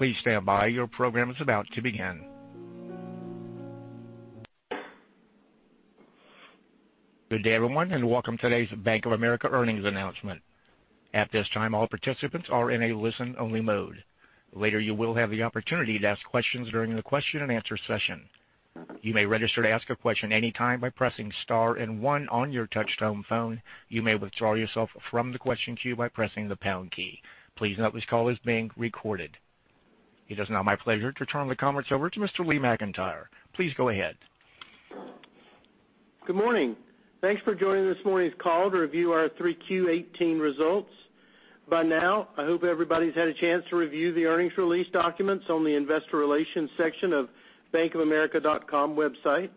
Please stand by. Your program is about to begin. Good day, everyone, and welcome to today's Bank of America earnings announcement. At this time, all participants are in a listen-only mode. Later, you will have the opportunity to ask questions during the question-and-answer session. You may register to ask a question anytime by pressing star and one on your touchtone phone. You may withdraw yourself from the question queue by pressing the pound key. Please note this call is being recorded. It is now my pleasure to turn the conference over to Mr. Lee McEntire. Please go ahead. Good morning. Thanks for joining this morning's call to review our 3Q18 results. By now, I hope everybody's had a chance to review the earnings release documents on the investor relations section of bankofamerica.com website.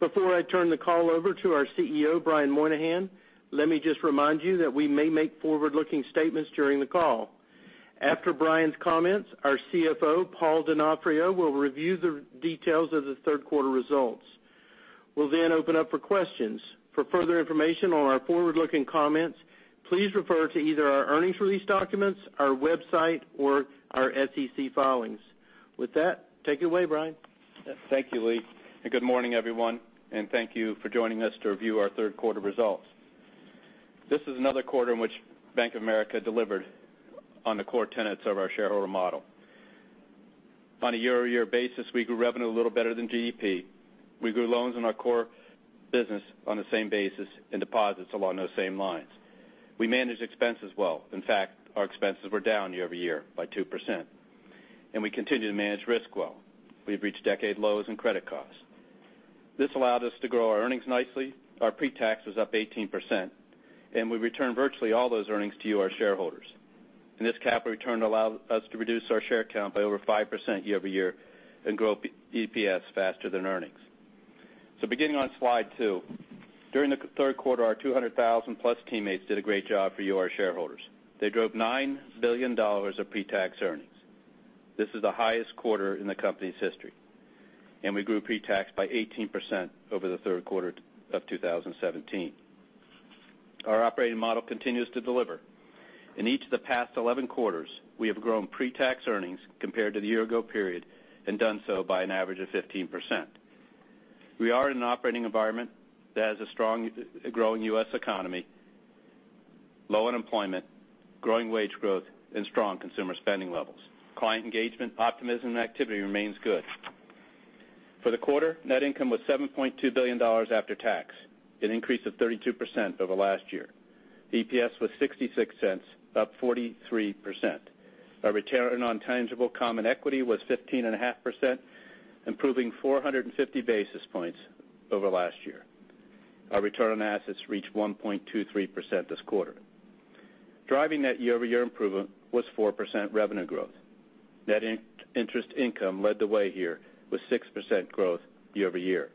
Before I turn the call over to our CEO, Brian Moynihan, let me just remind you that we may make forward-looking statements during the call. After Brian's comments, our CFO, Paul Donofrio, will review the details of the third quarter results. We'll open up for questions. For further information on our forward-looking comments, please refer to either our earnings release documents, our website, or our SEC filings. With that, take it away, Brian. Thank you, Lee. Good morning, everyone, and thank you for joining us to review our third quarter results. This is another quarter in which Bank of America delivered on the core tenets of our shareholder model. On a year-over-year basis, we grew revenue a little better than GDP. We grew loans in our core business on the same basis and deposits along those same lines. We managed expenses well. In fact, our expenses were down year-over-year by 2%. We continue to manage risk well. We've reached decade lows in credit costs. This allowed us to grow our earnings nicely. Our pre-tax was up 18%, and we returned virtually all those earnings to you, our shareholders. This capital return allowed us to reduce our share count by over 5% year-over-year and grow EPS faster than earnings. Beginning on slide two. During the third quarter, our 200,000-plus teammates did a great job for you, our shareholders. They drove $9 billion of pre-tax earnings. This is the highest quarter in the company's history. We grew pre-tax by 18% over the third quarter of 2017. Our operating model continues to deliver. In each of the past 11 quarters, we have grown pre-tax earnings compared to the year-ago period and done so by an average of 15%. We are in an operating environment that has a strong growing U.S. economy, low unemployment, growing wage growth, and strong consumer spending levels. Client engagement, optimism, and activity remains good. For the quarter, net income was $7.2 billion after tax, an increase of 32% over last year. EPS was $0.66, up 43%. Our return on tangible common equity was 15.5%, improving 450 basis points over last year. Our return on assets reached 1.23% this quarter. Driving that year-over-year improvement was 4% revenue growth. Net interest income led the way here with 6% growth year-over-year.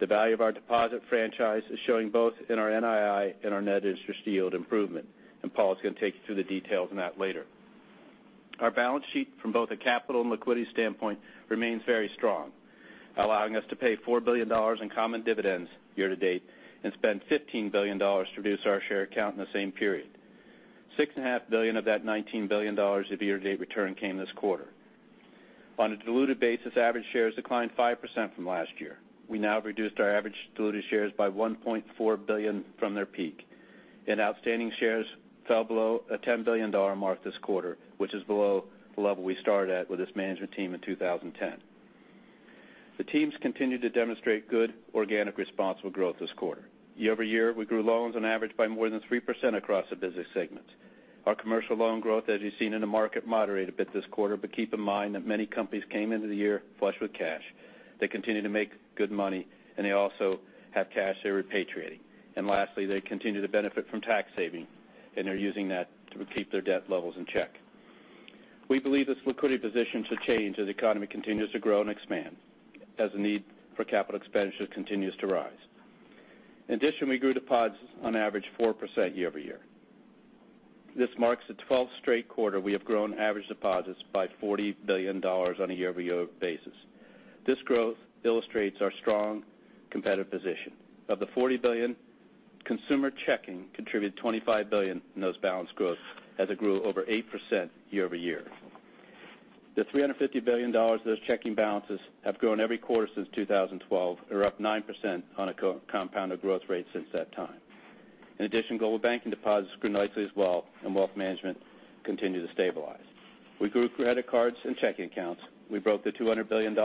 The value of our deposit franchise is showing both in our NII and our net interest yield improvement. Paul's going to take you through the details on that later. Our balance sheet from both a capital and liquidity standpoint remains very strong, allowing us to pay $4 billion in common dividends year-to-date and spend $15 billion to reduce our share count in the same period. $6.5 billion of that $19 billion of year-to-date return came this quarter. On a diluted basis, average shares declined 5% from last year. We now have reduced our average diluted shares by 1.4 billion from their peak. Outstanding shares fell below a 10 billion mark this quarter, which is below the level we started at with this management team in 2010. The teams continued to demonstrate good organic responsible growth this quarter. Year-over-year, we grew loans on average by more than 3% across the business segments. Our commercial loan growth, as you've seen in the market, moderated a bit this quarter. Keep in mind that many companies came into the year flush with cash. They continue to make good money, and they also have cash they're repatriating. Lastly, they continue to benefit from tax saving, and they're using that to keep their debt levels in check. We believe this liquidity position should change as the economy continues to grow and expand as the need for capital expenditures continues to rise. In addition, we grew deposits on average 4% year-over-year. This marks the 12th straight quarter we have grown average deposits by $40 billion on a year-over-year basis. This growth illustrates our strong competitive position. Of the $40 billion, consumer checking contributed $25 billion in those balance growths as it grew over 8% year-over-year. The $350 billion of those checking balances have grown every quarter since 2012. They're up 9% on a compounded growth rate since that time. In addition, Global Banking deposits grew nicely as well. Wealth management continued to stabilize. We grew credit cards and checking accounts. We broke the $200 billion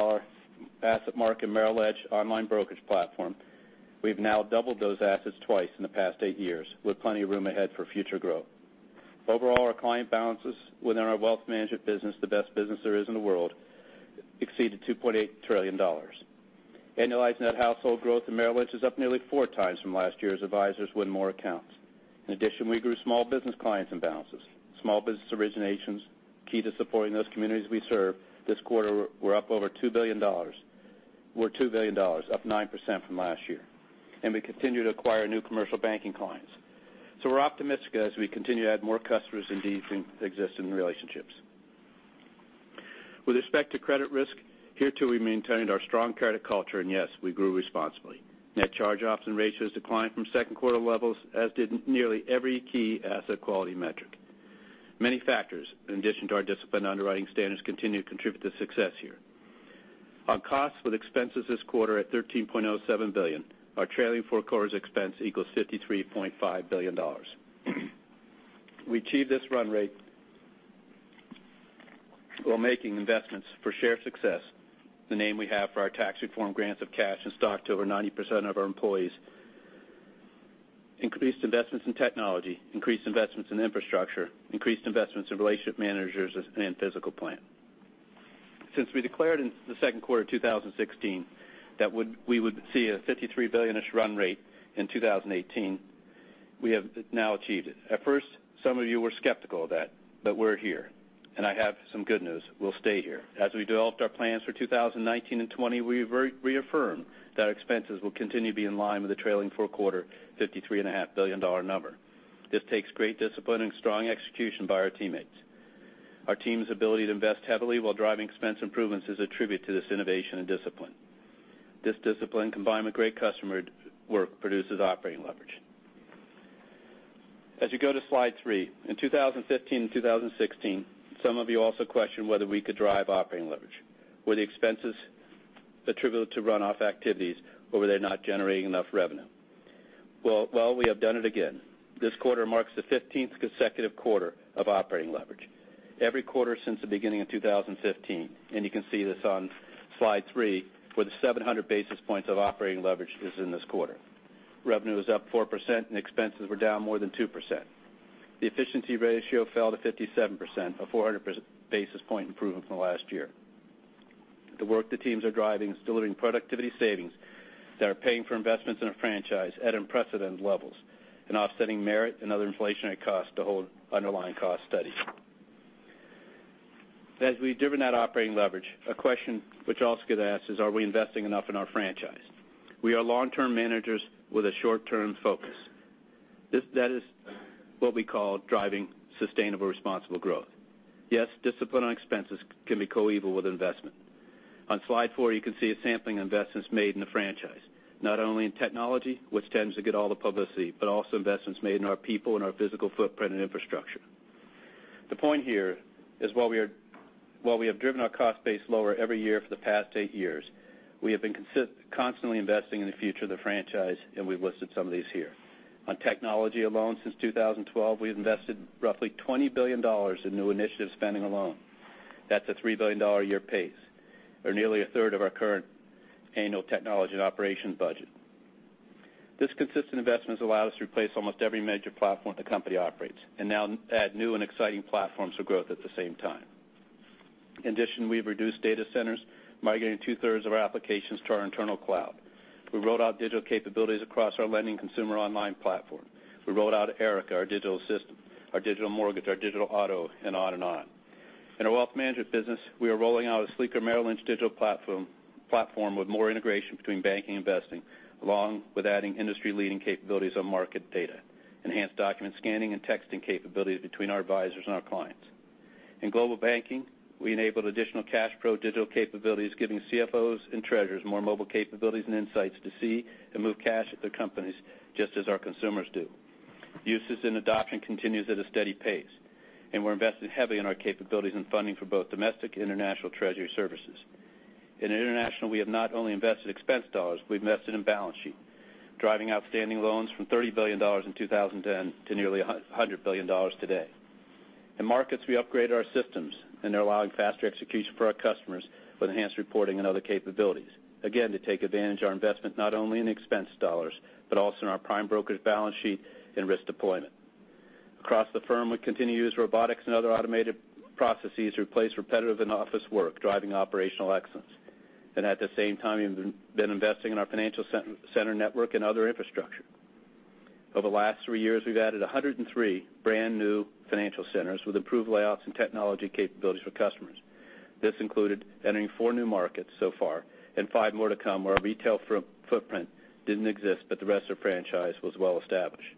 asset mark in Merrill Edge online brokerage platform. We've now doubled those assets twice in the past eight years, with plenty of room ahead for future growth. Overall, our client balances within our wealth management business, the best business there is in the world, exceeded $2.8 trillion. Annualized net household growth in Merrill Edge is up nearly four times from last year's advisors with more accounts. In addition, we grew small business clients and balances. Small business originations, key to supporting those communities we serve, this quarter were up over $2 billion, up 9% from last year. We continue to acquire new commercial banking clients. We're optimistic as we continue to add more customers and deepen existing relationships. With respect to credit risk, here too we maintained our strong credit culture, and yes, we grew responsibly. Net charge-offs and ratios declined from second quarter levels, as did nearly every key asset quality metric. Many factors, in addition to our disciplined underwriting standards, continue to contribute to success here. On costs with expenses this quarter at $13.07 billion, our trailing four quarters expense equals $53.5 billion. We achieved this run rate while making investments for Shared Success, the name we have for our tax reform grants of cash and stock to over 90% of our employees. Increased investments in technology, increased investments in infrastructure, increased investments in relationship managers and physical plant. Since we declared in the second quarter of 2016 that we would see a $53 billion-ish run rate in 2018, we have now achieved it. At first, some of you were skeptical of that, but we're here, and I have some good news. We'll stay here. As we developed our plans for 2019 and 2020, we've reaffirmed that our expenses will continue to be in line with the trailing four quarter $53.5 billion number. This takes great discipline and strong execution by our teammates. Our team's ability to invest heavily while driving expense improvements is a tribute to this innovation and discipline. This discipline, combined with great customer work, produces operating leverage. As you go to slide three. In 2015 and 2016, some of you also questioned whether we could drive operating leverage. Were the expenses attributable to runoff activities, or were they not generating enough revenue? Well, we have done it again. This quarter marks the 15th consecutive quarter of operating leverage. Every quarter since the beginning of 2015, and you can see this on slide three, with 700 basis points of operating leverage is in this quarter. Revenue was up 4%, and expenses were down more than 2%. The efficiency ratio fell to 57%, a 400 basis point improvement from last year. The work the teams are driving is delivering productivity savings that are paying for investments in our franchise at unprecedented levels and offsetting merit and other inflationary costs to hold underlying costs steady. As we've driven that operating leverage, a question which also gets asked is, are we investing enough in our franchise? We are long-term managers with a short-term focus. That is what we call driving sustainable responsible growth. Yes, discipline on expenses can be co-equal with investment. On slide four, you can see a sampling of investments made in the franchise, not only in technology, which tends to get all the publicity, but also investments made in our people and our physical footprint and infrastructure. The point here is while we have driven our cost base lower every year for the past eight years, we have been constantly investing in the future of the franchise, and we've listed some of these here. On technology alone, since 2012, we've invested roughly $20 billion in new initiative spending alone. That's a $3 billion a year pace, or nearly a third of our current annual technology and operations budget. This consistent investment has allowed us to replace almost every major platform the company operates and now add new and exciting platforms for growth at the same time. In addition, we've reduced data centers, migrating two-thirds of our applications to our internal cloud. We rolled out digital capabilities across our lending consumer online platform. We rolled out Erica, our digital assistant, our digital mortgage, our digital auto, and on and on. In our wealth management business, we are rolling out a sleeker Merrill Lynch digital platform with more integration between banking and investing, along with adding industry-leading capabilities on market data, enhanced document scanning, and texting capabilities between our advisors and our clients. In Global Banking, we enabled additional CashPro digital capabilities, giving CFOs and treasurers more mobile capabilities and insights to see and move cash at their companies, just as our consumers do. Usage and adoption continues at a steady pace, and we're investing heavily in our capabilities and funding for both domestic and international treasury services. In international, we have not only invested expense dollars, we've invested in balance sheet, driving outstanding loans from $30 billion in 2010 to nearly $100 billion today. In markets, we upgraded our systems, and they're allowing faster execution for our customers with enhanced reporting and other capabilities, again, to take advantage of our investment not only in expense dollars, but also in our prime brokerage balance sheet and risk deployment. Across the firm, we continue to use robotics and other automated processes to replace repetitive and office work, driving operational excellence. At the same time, we've been investing in our financial center network and other infrastructure. Over the last 3 years, we've added 103 brand-new financial centers with improved layouts and technology capabilities for customers. This included entering 4 new markets so far and 5 more to come where our retail footprint didn't exist, but the rest of the franchise was well established.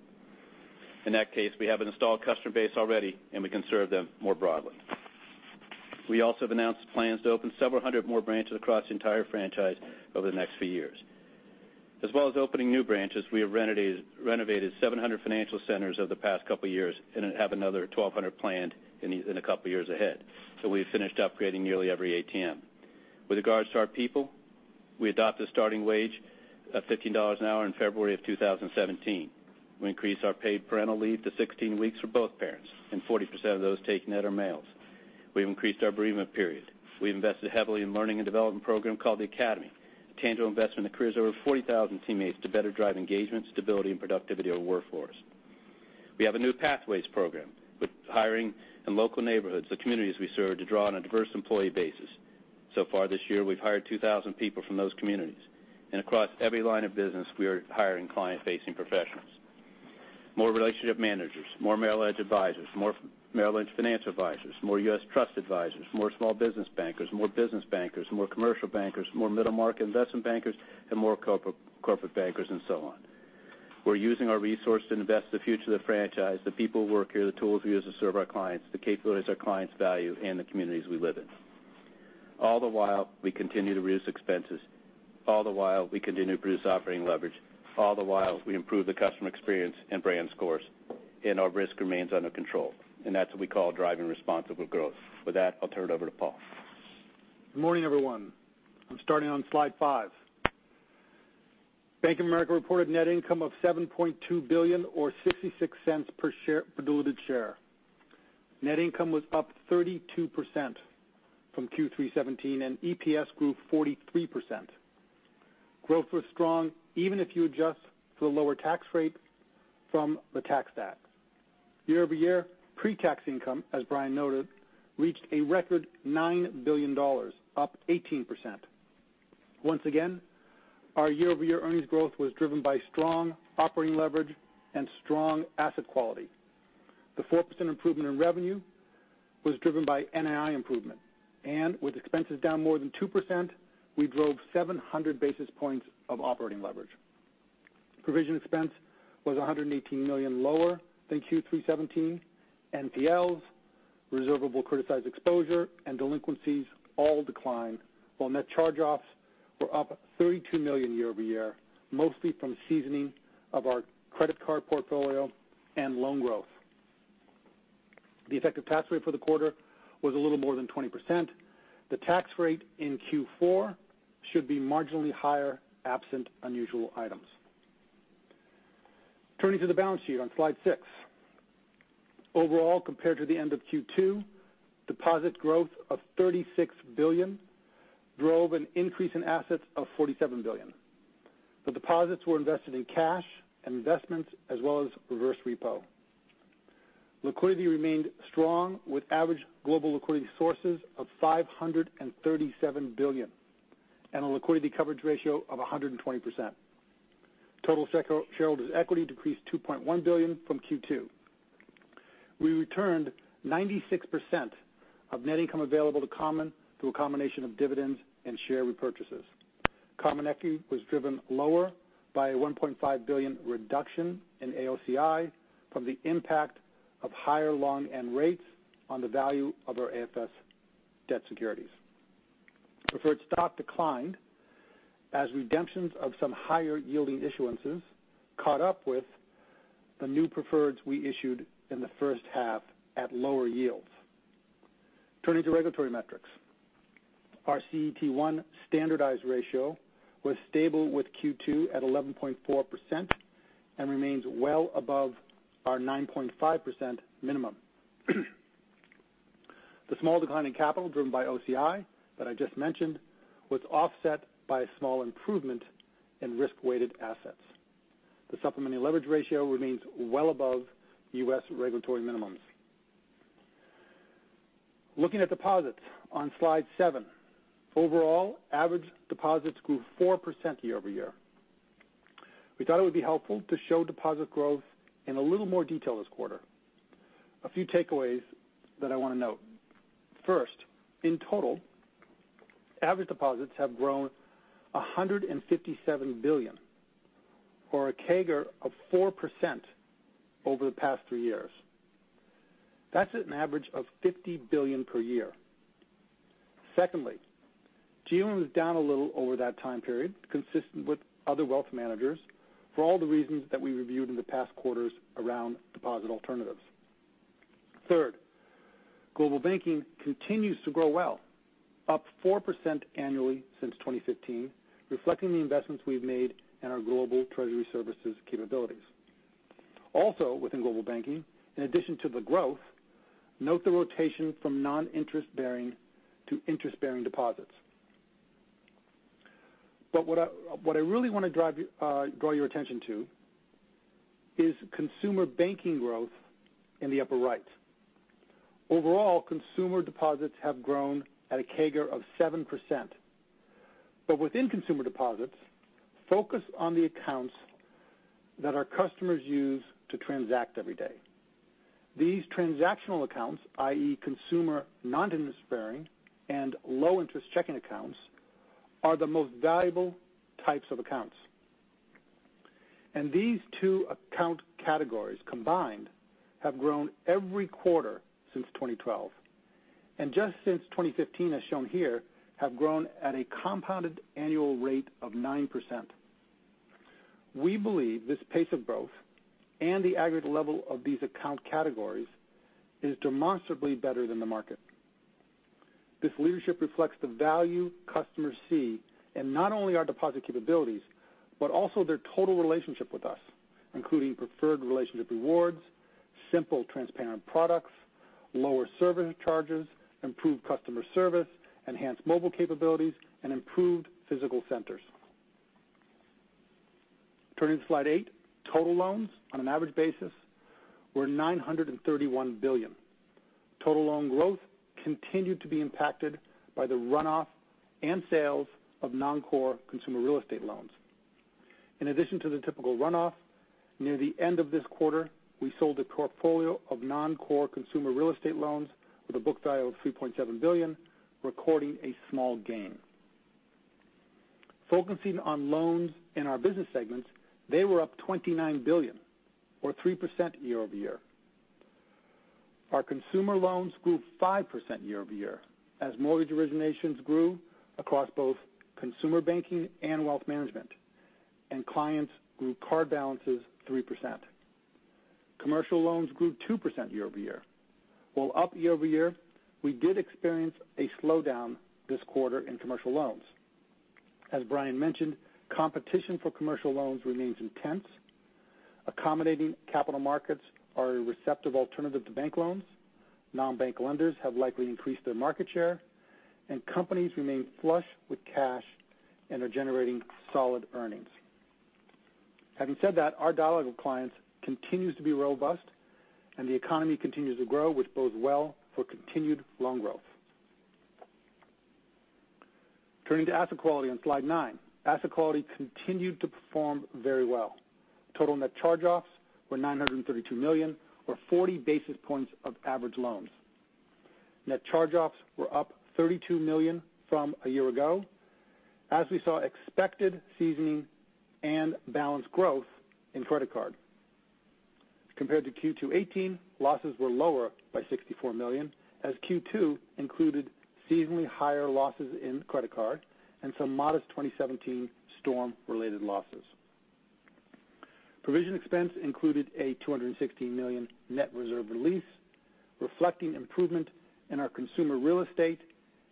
In that case, we have an installed customer base already, and we can serve them more broadly. We also have announced plans to open several hundred more branches across the entire franchise over the next few years. As well as opening new branches, we have renovated 700 financial centers over the past couple of years and have another 1,200 planned in a couple of years ahead. We've finished upgrading nearly every ATM. With regards to our people, we adopted a starting wage of $15 an hour in February of 2017. We increased our paid parental leave to 16 weeks for both parents, and 40% of those taking it are males. We've increased our bereavement period. We've invested heavily in a learning and development program called The Academy, a tangible investment in the careers of over 40,000 teammates to better drive engagement, stability, and productivity of the workforce. We have a new Pathways program with hiring in local neighborhoods, the communities we serve, to draw on a diverse employee basis. So far this year, we've hired 2,000 people from those communities. Across every line of business, we are hiring client-facing professionals. More relationship managers, more Merrill Edge advisors, more Merrill Lynch finance advisors, more U.S. Trust advisors, more small business bankers, more business bankers, more commercial bankers, more middle-market investment bankers, and more corporate bankers, and so on. We're using our resource to invest in the future of the franchise, the people who work here, the tools we use to serve our clients, the capabilities our clients value, and the communities we live in. All the while, we continue to reduce expenses. All the while, we continue to produce operating leverage. All the while, we improve the customer experience and brand scores, and our risk remains under control. That's what we call driving responsible growth. With that, I'll turn it over to Paul. Good morning, everyone. I'm starting on slide five. Bank of America reported net income of $7.2 billion, or $0.66 per diluted share. Net income was up 32% from Q3'17. EPS grew 43%. Growth was strong even if you adjust for the lower tax rate from the tax cut. Year-over-year pre-tax income, as Brian Moynihan noted, reached a record $9 billion, up 18%. Once again, our year-over-year earnings growth was driven by strong operating leverage and strong asset quality. The 4% improvement in revenue was driven by NII improvement. With expenses down more than 2%, we drove 700 basis points of operating leverage. Provision expense was $118 million lower than Q3'17. NPLs, reservable criticized exposure, and delinquencies all declined, while net charge-offs were up $32 million year-over-year, mostly from seasoning of our credit card portfolio and loan growth. The effective tax rate for the quarter was a little more than 20%. The tax rate in Q4 should be marginally higher, absent unusual items. Turning to the balance sheet on slide six. Overall, compared to the end of Q2, deposit growth of $36 billion drove an increase in assets of $47 billion. The deposits were invested in cash and investments, as well as reverse repo. Liquidity remained strong with average global liquidity sources of $537 billion and a liquidity coverage ratio of 120%. Total shareholders' equity decreased $2.1 billion from Q2. We returned 96% of net income available to common through a combination of dividends and share repurchases. Common equity was driven lower by a $1.5 billion reduction in AOCI from the impact of higher long end rates on the value of our AFS debt securities. Preferred stock declined as redemptions of some higher-yielding issuances caught up with the new preferreds we issued in the first half at lower yields. Turning to regulatory metrics. Our CET1 standardized ratio was stable with Q2 at 11.4% and remains well above our 9.5% minimum. The small decline in capital driven by OCI that I just mentioned was offset by a small improvement in risk-weighted assets. The supplementary leverage ratio remains well above U.S. regulatory minimums. Looking at deposits on slide seven. Overall, average deposits grew 4% year-over-year. We thought it would be helpful to show deposit growth in a little more detail this quarter. A few takeaways that I want to note. First, in total, average deposits have grown $157 billion, or a CAGR of 4% over the past three years. That's at an average of $50 billion per year. Secondly, GWIM was down a little over that time period, consistent with other wealth managers, for all the reasons that we reviewed in the past quarters around deposit alternatives. Third, Global Banking continues to grow well, up 4% annually since 2015, reflecting the investments we've made in our global treasury services capabilities. Also within Global Banking, in addition to the growth, note the rotation from non-interest-bearing to interest-bearing deposits. What I really want to draw your attention to is Consumer Banking growth in the upper right. Overall, consumer deposits have grown at a CAGR of 7%. Within consumer deposits, focus on the accounts that our customers use to transact every day. These transactional accounts, i.e., consumer non-interest-bearing and low-interest checking accounts, are the most valuable types of accounts. These two account categories combined have grown every quarter since 2012. Just since 2015, as shown here, have grown at a compounded annual rate of 9%. We believe this pace of growth and the aggregate level of these account categories is demonstrably better than the market. This leadership reflects the value customers see in not only our deposit capabilities, but also their total relationship with us, including preferred relationship rewards, simple, transparent products, lower service charges, improved customer service, enhanced mobile capabilities, and improved physical centers. Turning to slide eight. Total loans on an average basis were $931 billion. Total loan growth continued to be impacted by the runoff and sales of non-core consumer real estate loans. In addition to the typical runoff, near the end of this quarter, we sold a portfolio of non-core consumer real estate loans with a book value of $3.7 billion, recording a small gain. Focusing on loans in our business segments, they were up $29 billion or 3% year-over-year. Our consumer loans grew 5% year-over-year as mortgage originations grew across both Consumer Banking and wealth management, and clients grew card balances 3%. Commercial loans grew 2% year-over-year. While up year-over-year, we did experience a slowdown this quarter in commercial loans. As Brian mentioned, competition for commercial loans remains intense. Accommodating capital markets are a receptive alternative to bank loans. Non-bank lenders have likely increased their market share, and companies remain flush with cash and are generating solid earnings. Having said that, our dialogue with clients continues to be robust, and the economy continues to grow, which bodes well for continued loan growth. Turning to asset quality on slide nine. Asset quality continued to perform very well. Total net charge-offs were $932 million, or 40 basis points of average loans. Net charge-offs were up $32 million from a year ago, as we saw expected seasoning and balance growth in credit card. Compared to Q2 '18, losses were lower by $64 million, as Q2 included seasonally higher losses in credit card and some modest 2017 storm-related losses. Provision expense included a $216 million net reserve release, reflecting improvement in our consumer real estate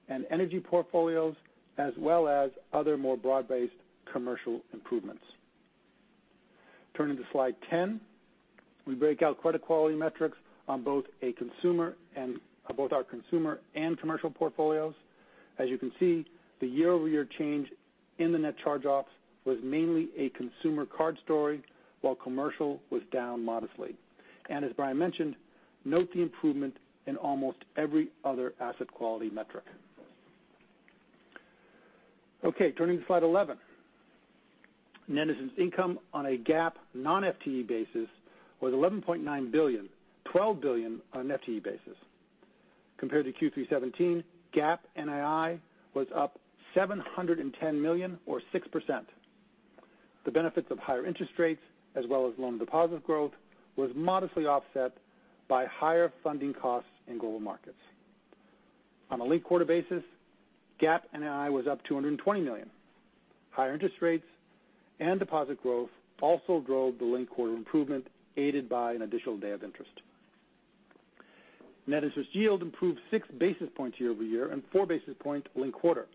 and energy portfolios, as well as other more broad-based commercial improvements. Turning to slide 10. We break out credit quality metrics on both our consumer and commercial portfolios. As you can see, the year-over-year change in the net charge-offs was mainly a consumer card story, while commercial was down modestly. As Brian mentioned, note the improvement in almost every other asset quality metric. Turning to slide 11. Net interest income on a GAAP non-FTE basis was $11.9 billion, $12 billion on an FTE basis. Compared to Q3'17, GAAP NII was up $710 million or 6%. The benefits of higher interest rates as well as loan deposit growth was modestly offset by higher funding costs in Global Markets. On a linked-quarter basis, GAAP NII was up $220 million. Higher interest rates and deposit growth also drove the linked-quarter improvement, aided by an additional day of interest. Net interest yield improved six basis points year-over-year and four basis points linked-quarter.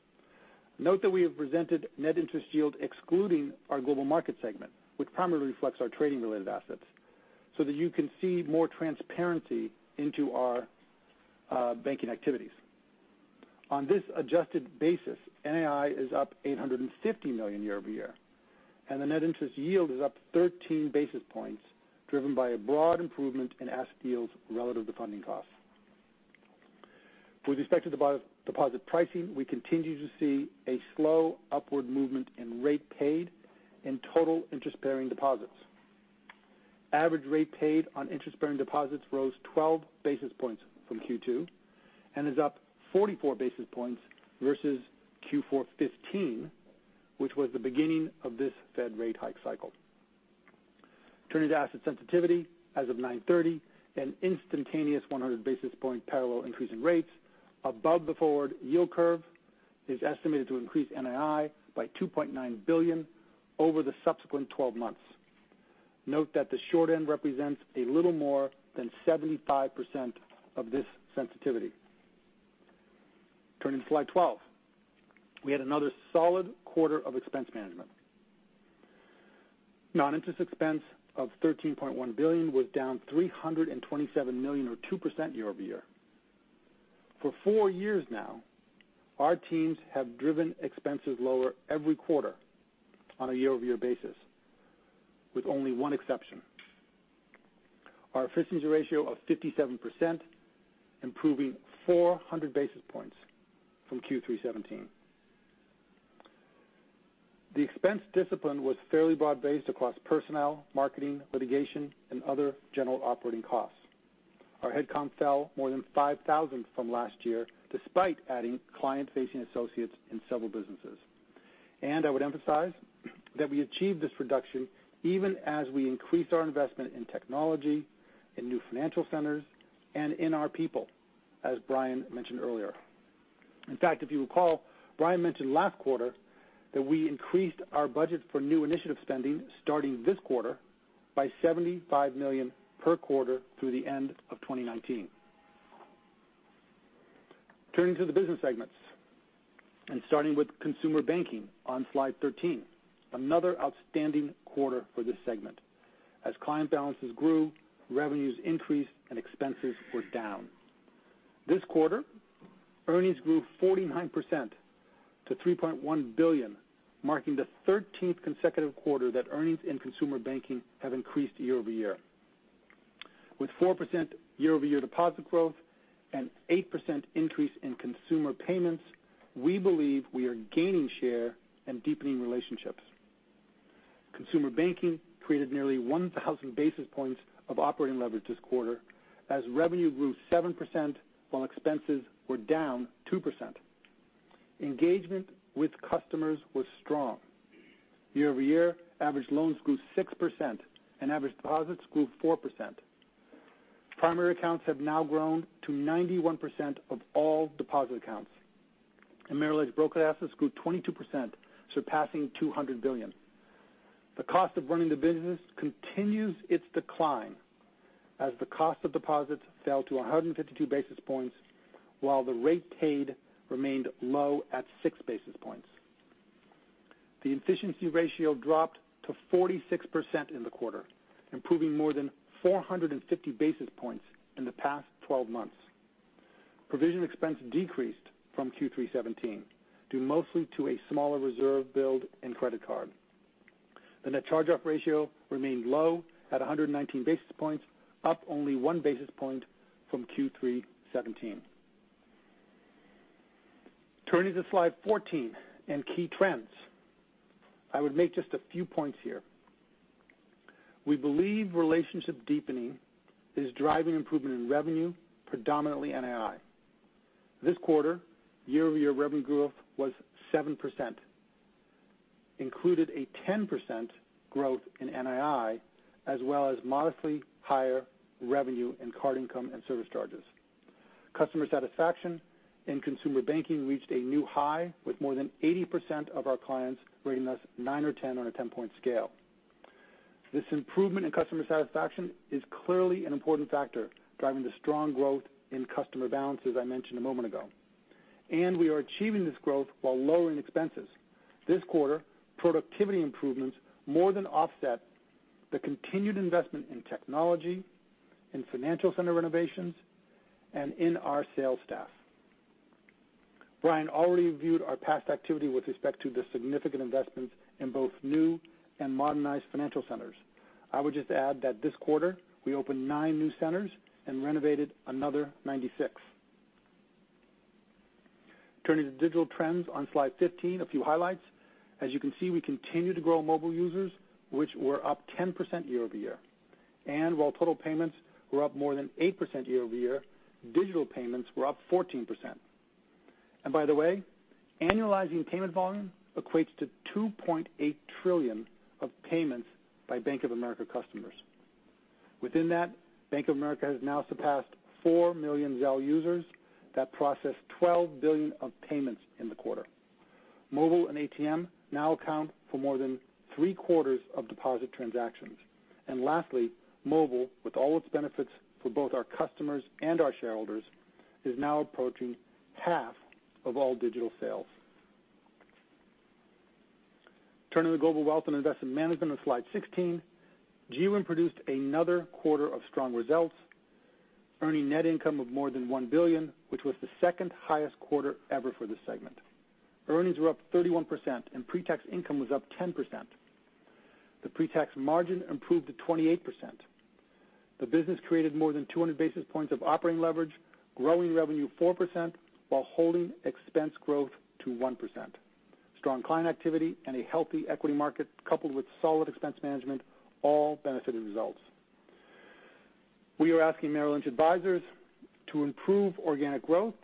Note that we have presented net interest yield excluding our Global Markets segment, which primarily reflects our trading-related assets, so that you can see more transparency into our banking activities. On this adjusted basis, NII is up $850 million year-over-year, and the net interest yield is up 13 basis points, driven by a broad improvement in asset yields relative to funding costs. With respect to deposit pricing, we continue to see a slow upward movement in rate paid in total interest-bearing deposits. Average rate paid on interest-bearing deposits rose 12 basis points from Q2 and is up 44 basis points versus Q4 2015, which was the beginning of this Fed rate hike cycle. Turning to asset sensitivity. As of 9/30, an instantaneous 100 basis point parallel increase in rates above the forward yield curve is estimated to increase NII by $2.9 billion over the subsequent 12 months. Note that the short end represents a little more than 75% of this sensitivity. Turning to Slide 12. We had another solid quarter of expense management. Non-interest expense of $13.1 billion was down $327 million or 2% year-over-year. For four years now, our teams have driven expenses lower every quarter on a year-over-year basis, with only one exception. Our efficiency ratio of 57%, improving 400 basis points from Q3 2017. The expense discipline was fairly broad-based across personnel, marketing, litigation, and other general operating costs. Our head count fell more than 5,000 from last year, despite adding client-facing associates in several businesses. I would emphasize that we achieved this reduction even as we increased our investment in technology, in new financial centers, and in our people, as Brian mentioned earlier. In fact, if you recall, Brian mentioned last quarter that we increased our budget for new initiative spending starting this quarter by $75 million per quarter through the end of 2019. Turning to the business segments and starting with Consumer Banking on Slide 13. Another outstanding quarter for this segment. As client balances grew, revenues increased, and expenses were down. This quarter, earnings grew 49% to $3.1 billion, marking the 13th consecutive quarter that earnings in Consumer Banking have increased year-over-year. With 4% year-over-year deposit growth and 8% increase in consumer payments, we believe we are gaining share and deepening relationships. Consumer Banking created nearly 1,000 basis points of operating leverage this quarter as revenue grew 7%, while expenses were down 2%. Engagement with customers was strong. Year-over-year, average loans grew 6%, and average deposits grew 4%. Primary accounts have now grown to 91% of all deposit accounts. Merrill Lynch brokered assets grew 22%, surpassing $200 billion. The cost of running the business continues its decline as the cost of deposits fell to 152 basis points while the rate paid remained low at six basis points. The efficiency ratio dropped to 46% in the quarter, improving more than 450 basis points in the past 12 months. Provision expense decreased from Q3 2017, due mostly to a smaller reserve build in credit card. The net charge-off ratio remained low at 119 basis points, up only one basis point from Q3 2017. Turning to Slide 14 and key trends. I would make just a few points here. We believe relationship deepening is driving improvement in revenue, predominantly NII. This quarter, year-over-year revenue growth was 7%, included a 10% growth in NII, as well as modestly higher revenue in card income and service charges. Customer satisfaction in Consumer Banking reached a new high, with more than 80% of our clients rating us 9 or 10 on a 10-point scale. This improvement in customer satisfaction is clearly an important factor driving the strong growth in customer balances I mentioned a moment ago. We are achieving this growth while lowering expenses. This quarter, productivity improvements more than offset the continued investment in technology, in financial center renovations, and in our sales staff. Brian already viewed our past activity with respect to the significant investments in both new and modernized financial centers. I would just add that this quarter, we opened nine new centers and renovated another 96. Turning to digital trends on Slide 15, a few highlights. As you can see, we continue to grow mobile users, which were up 10% year-over-year. While total payments were up more than 8% year-over-year, digital payments were up 14%. By the way, annualizing payment volume equates to $2.8 trillion of payments by Bank of America customers. Within that, Bank of America has now surpassed 4 million Zelle users that processed $12 billion of payments in the quarter. Mobile and ATM now account for more than three-quarters of deposit transactions. Lastly, mobile, with all its benefits for both our customers and our shareholders, is now approaching half of all digital sales. Turning to Global Wealth & Investment Management on Slide 16. GWIM produced another quarter of strong results, earning net income of more than $1 billion, which was the second-highest quarter ever for this segment. Earnings were up 31%, and pre-tax income was up 10%. The pre-tax margin improved to 28%. The business created more than 200 basis points of operating leverage, growing revenue 4%, while holding expense growth to 1%. Strong client activity and a healthy equity market, coupled with solid expense management, all benefited results. We are asking Merrill Lynch advisors to improve organic growth,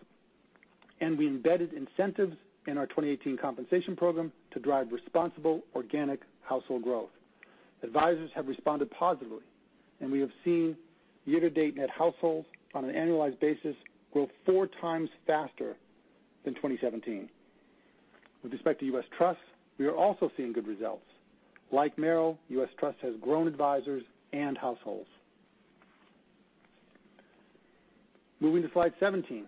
and we embedded incentives in our 2018 compensation program to drive responsible organic household growth. Advisors have responded positively, we have seen year-to-date net households on an annualized basis grow four times faster than 2017. With respect to U.S. Trust, we are also seeing good results. Like Merrill, U.S. Trust has grown advisors and households. Moving to Slide 17.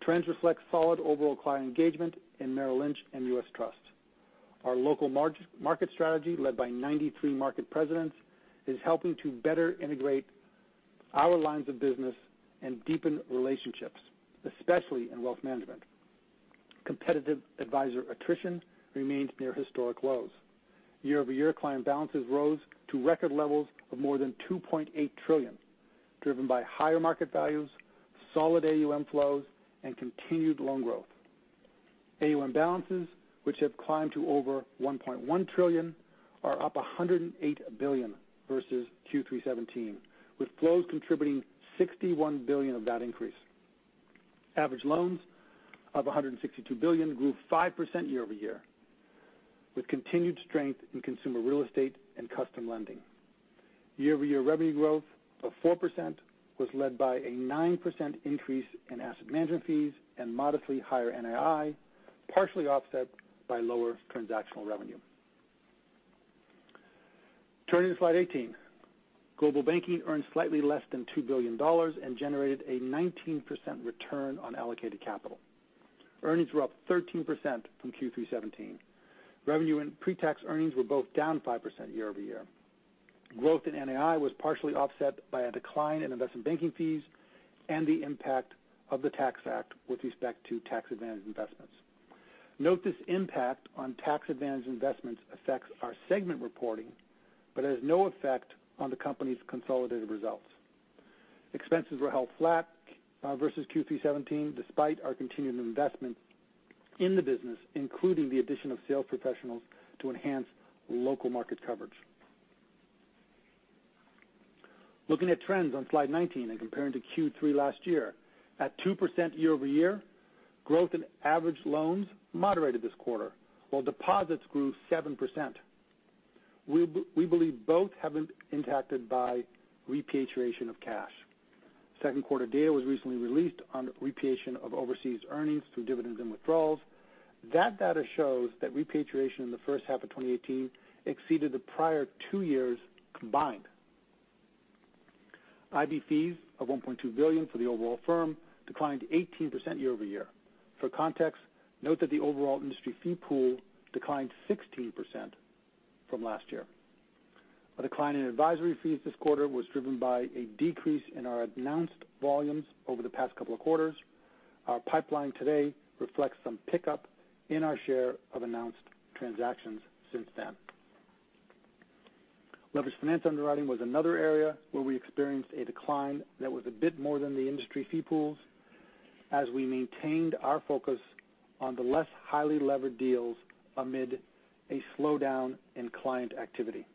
Trends reflect solid overall client engagement in Merrill Lynch and U.S. Trust. Our local market strategy, led by 93 market presidents, is helping to better integrate our lines of business and deepen relationships, especially in wealth management. Competitive advisor attrition remains near historic lows. Year-over-year client balances rose to record levels of more than $2.8 trillion, driven by higher market values, solid AUM flows, and continued loan growth. AUM balances, which have climbed to over $1.1 trillion, are up $108 billion versus Q3'17, with flows contributing $61 billion of that increase. Average loans of $162 billion grew 5% year-over-year, with continued strength in consumer real estate and custom lending. Year-over-year revenue growth of 4% was led by a 9% increase in asset management fees and modestly higher NII, partially offset by lower transactional revenue. Turning to Slide 18. Global Banking earned slightly less than $2 billion and generated a 19% return on allocated capital. Earnings were up 13% from Q3'17. Revenue and pre-tax earnings were both down 5% year-over-year. Growth in NII was partially offset by a decline in investment banking fees and the impact of the Tax Act with respect to tax advantage investments. Note this impact on tax advantage investments affects our segment reporting, but has no effect on the company's consolidated results. Expenses were held flat versus Q3'17, despite our continued investment in the business, including the addition of sales professionals to enhance local market coverage. Looking at trends on Slide 19 and comparing to Q3 last year. At 2% year-over-year, growth in average loans moderated this quarter, while deposits grew 7%. We believe both have been impacted by repatriation of cash. Second-quarter data was recently released on repatriation of overseas earnings through dividends and withdrawals. That data shows that repatriation in the first half of 2018 exceeded the prior two years combined. IB fees of $1.2 billion for the overall firm declined 18% year-over-year. For context, note that the overall industry fee pool declined 16% from last year. A decline in advisory fees this quarter was driven by a decrease in our announced volumes over the past couple of quarters. Our pipeline today reflects some pickup in our share of announced transactions since then. Leveraged finance underwriting was another area where we experienced a decline that was a bit more than the industry fee pools, as we maintained our focus on the less highly levered deals amid a slowdown in client activity.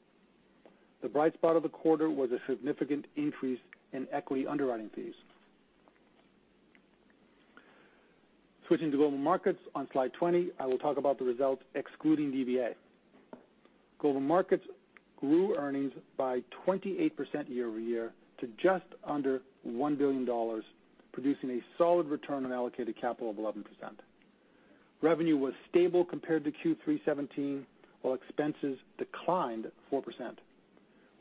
The bright spot of the quarter was a significant increase in equity underwriting fees. Switching to Global Markets on Slide 20, I will talk about the results excluding DVA. Global Markets grew earnings by 28% year-over-year to just under $1 billion, producing a solid return on allocated capital of 11%. Revenue was stable compared to Q3 '17, while expenses declined 4%.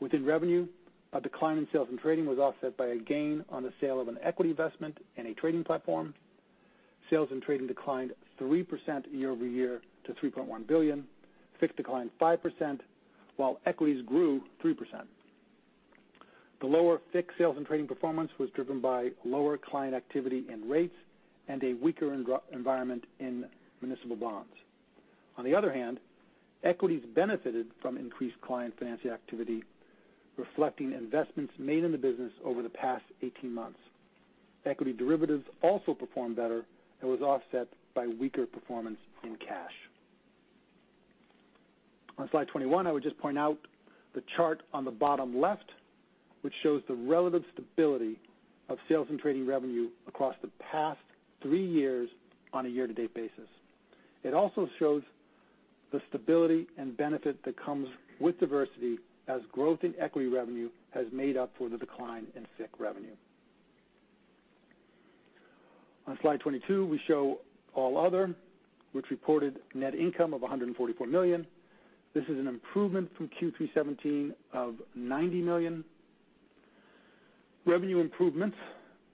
Within revenue, a decline in sales and trading was offset by a gain on the sale of an equity investment and a trading platform. Sales and trading declined 3% year-over-year to $3.1 billion. FICC declined 5%, while equities grew 3%. The lower FICC sales and trading performance was driven by lower client activity in rates and a weaker environment in municipal bonds. On the other hand, equities benefited from increased client financing activity, reflecting investments made in the business over the past 18 months. Equity derivatives also performed better and was offset by weaker performance in cash. On Slide 21, I would just point out the chart on the bottom left, which shows the relative stability of sales and trading revenue across the past three years on a year-to-date basis. It also shows the stability and benefit that comes with diversity as growth in equity revenue has made up for the decline in FICC revenue. On Slide 22, we show All Other, which reported net income of $144 million. This is an improvement from Q3 '17 of $90 million. Revenue improvements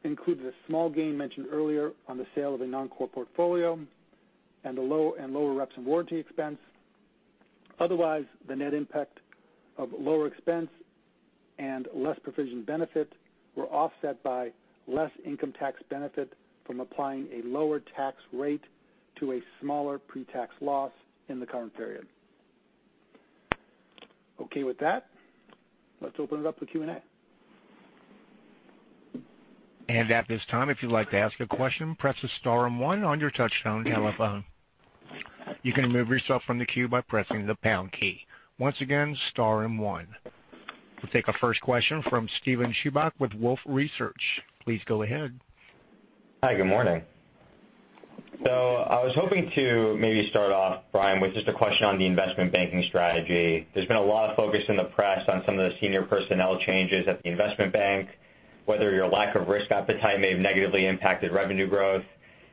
included a small gain mentioned earlier on the sale of a non-core portfolio and lower reps and warranty expense. Otherwise, the net impact of lower expense and less provision benefit were offset by less income tax benefit from applying a lower tax rate to a smaller pre-tax loss in the current period. Okay. With that, let's open it up to Q&A. At this time, if you'd like to ask a question, press the star and one on your touch-tone telephone. You can remove yourself from the queue by pressing the pound key. Once again, star and one. We'll take our first question from Steven Chubak with Wolfe Research. Please go ahead. Hi, good morning. I was hoping to maybe start off, Brian, with just a question on the investment banking strategy. There's been a lot of focus in the press on some of the senior personnel changes at the investment bank, whether your lack of risk appetite may have negatively impacted revenue growth.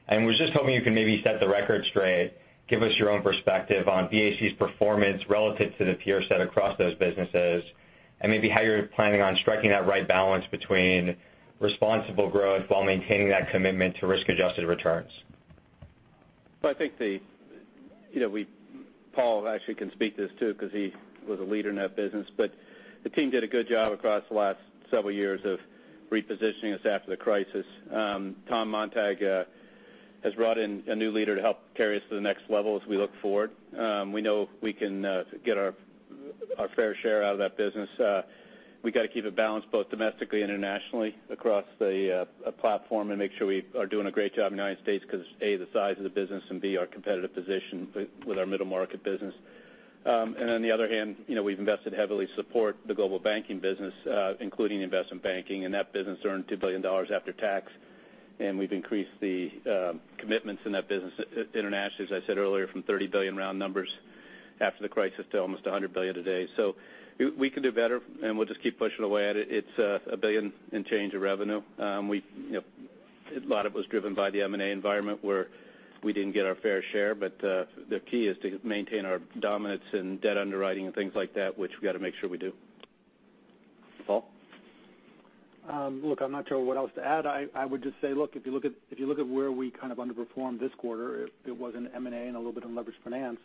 I was just hoping you can maybe set the record straight, give us your own perspective on BAC's performance relative to the peer set across those businesses, and maybe how you're planning on striking that right balance between responsible growth while maintaining that commitment to risk-adjusted returns. I think, Paul actually can speak to this, too, because he was a leader in that business. The team did a good job across the last several years of repositioning us after the crisis. Tom Montag has brought in a new leader to help carry us to the next level as we look forward. We know we can get our fair share out of that business. We got to keep it balanced both domestically, internationally across the platform, and make sure we are doing a great job in the United States because, A, the size of the business, and B, our competitive position with our middle market business. On the other hand, we've invested heavily to support the global banking business, including investment banking. That business earned $2 billion after tax. We've increased the commitments in that business internationally, as I said earlier, from $30 billion round numbers after the crisis to almost $100 billion today. We can do better, and we'll just keep pushing away at it. It's a billion and change of revenue. A lot of it was driven by the M&A environment where we didn't get our fair share. The key is to maintain our dominance in debt underwriting and things like that, which we got to make sure we do. Paul? Look, I'm not sure what else to add. I would just say, look, if you look at where we kind of underperformed this quarter, it was in M&A and a little bit in leveraged finance.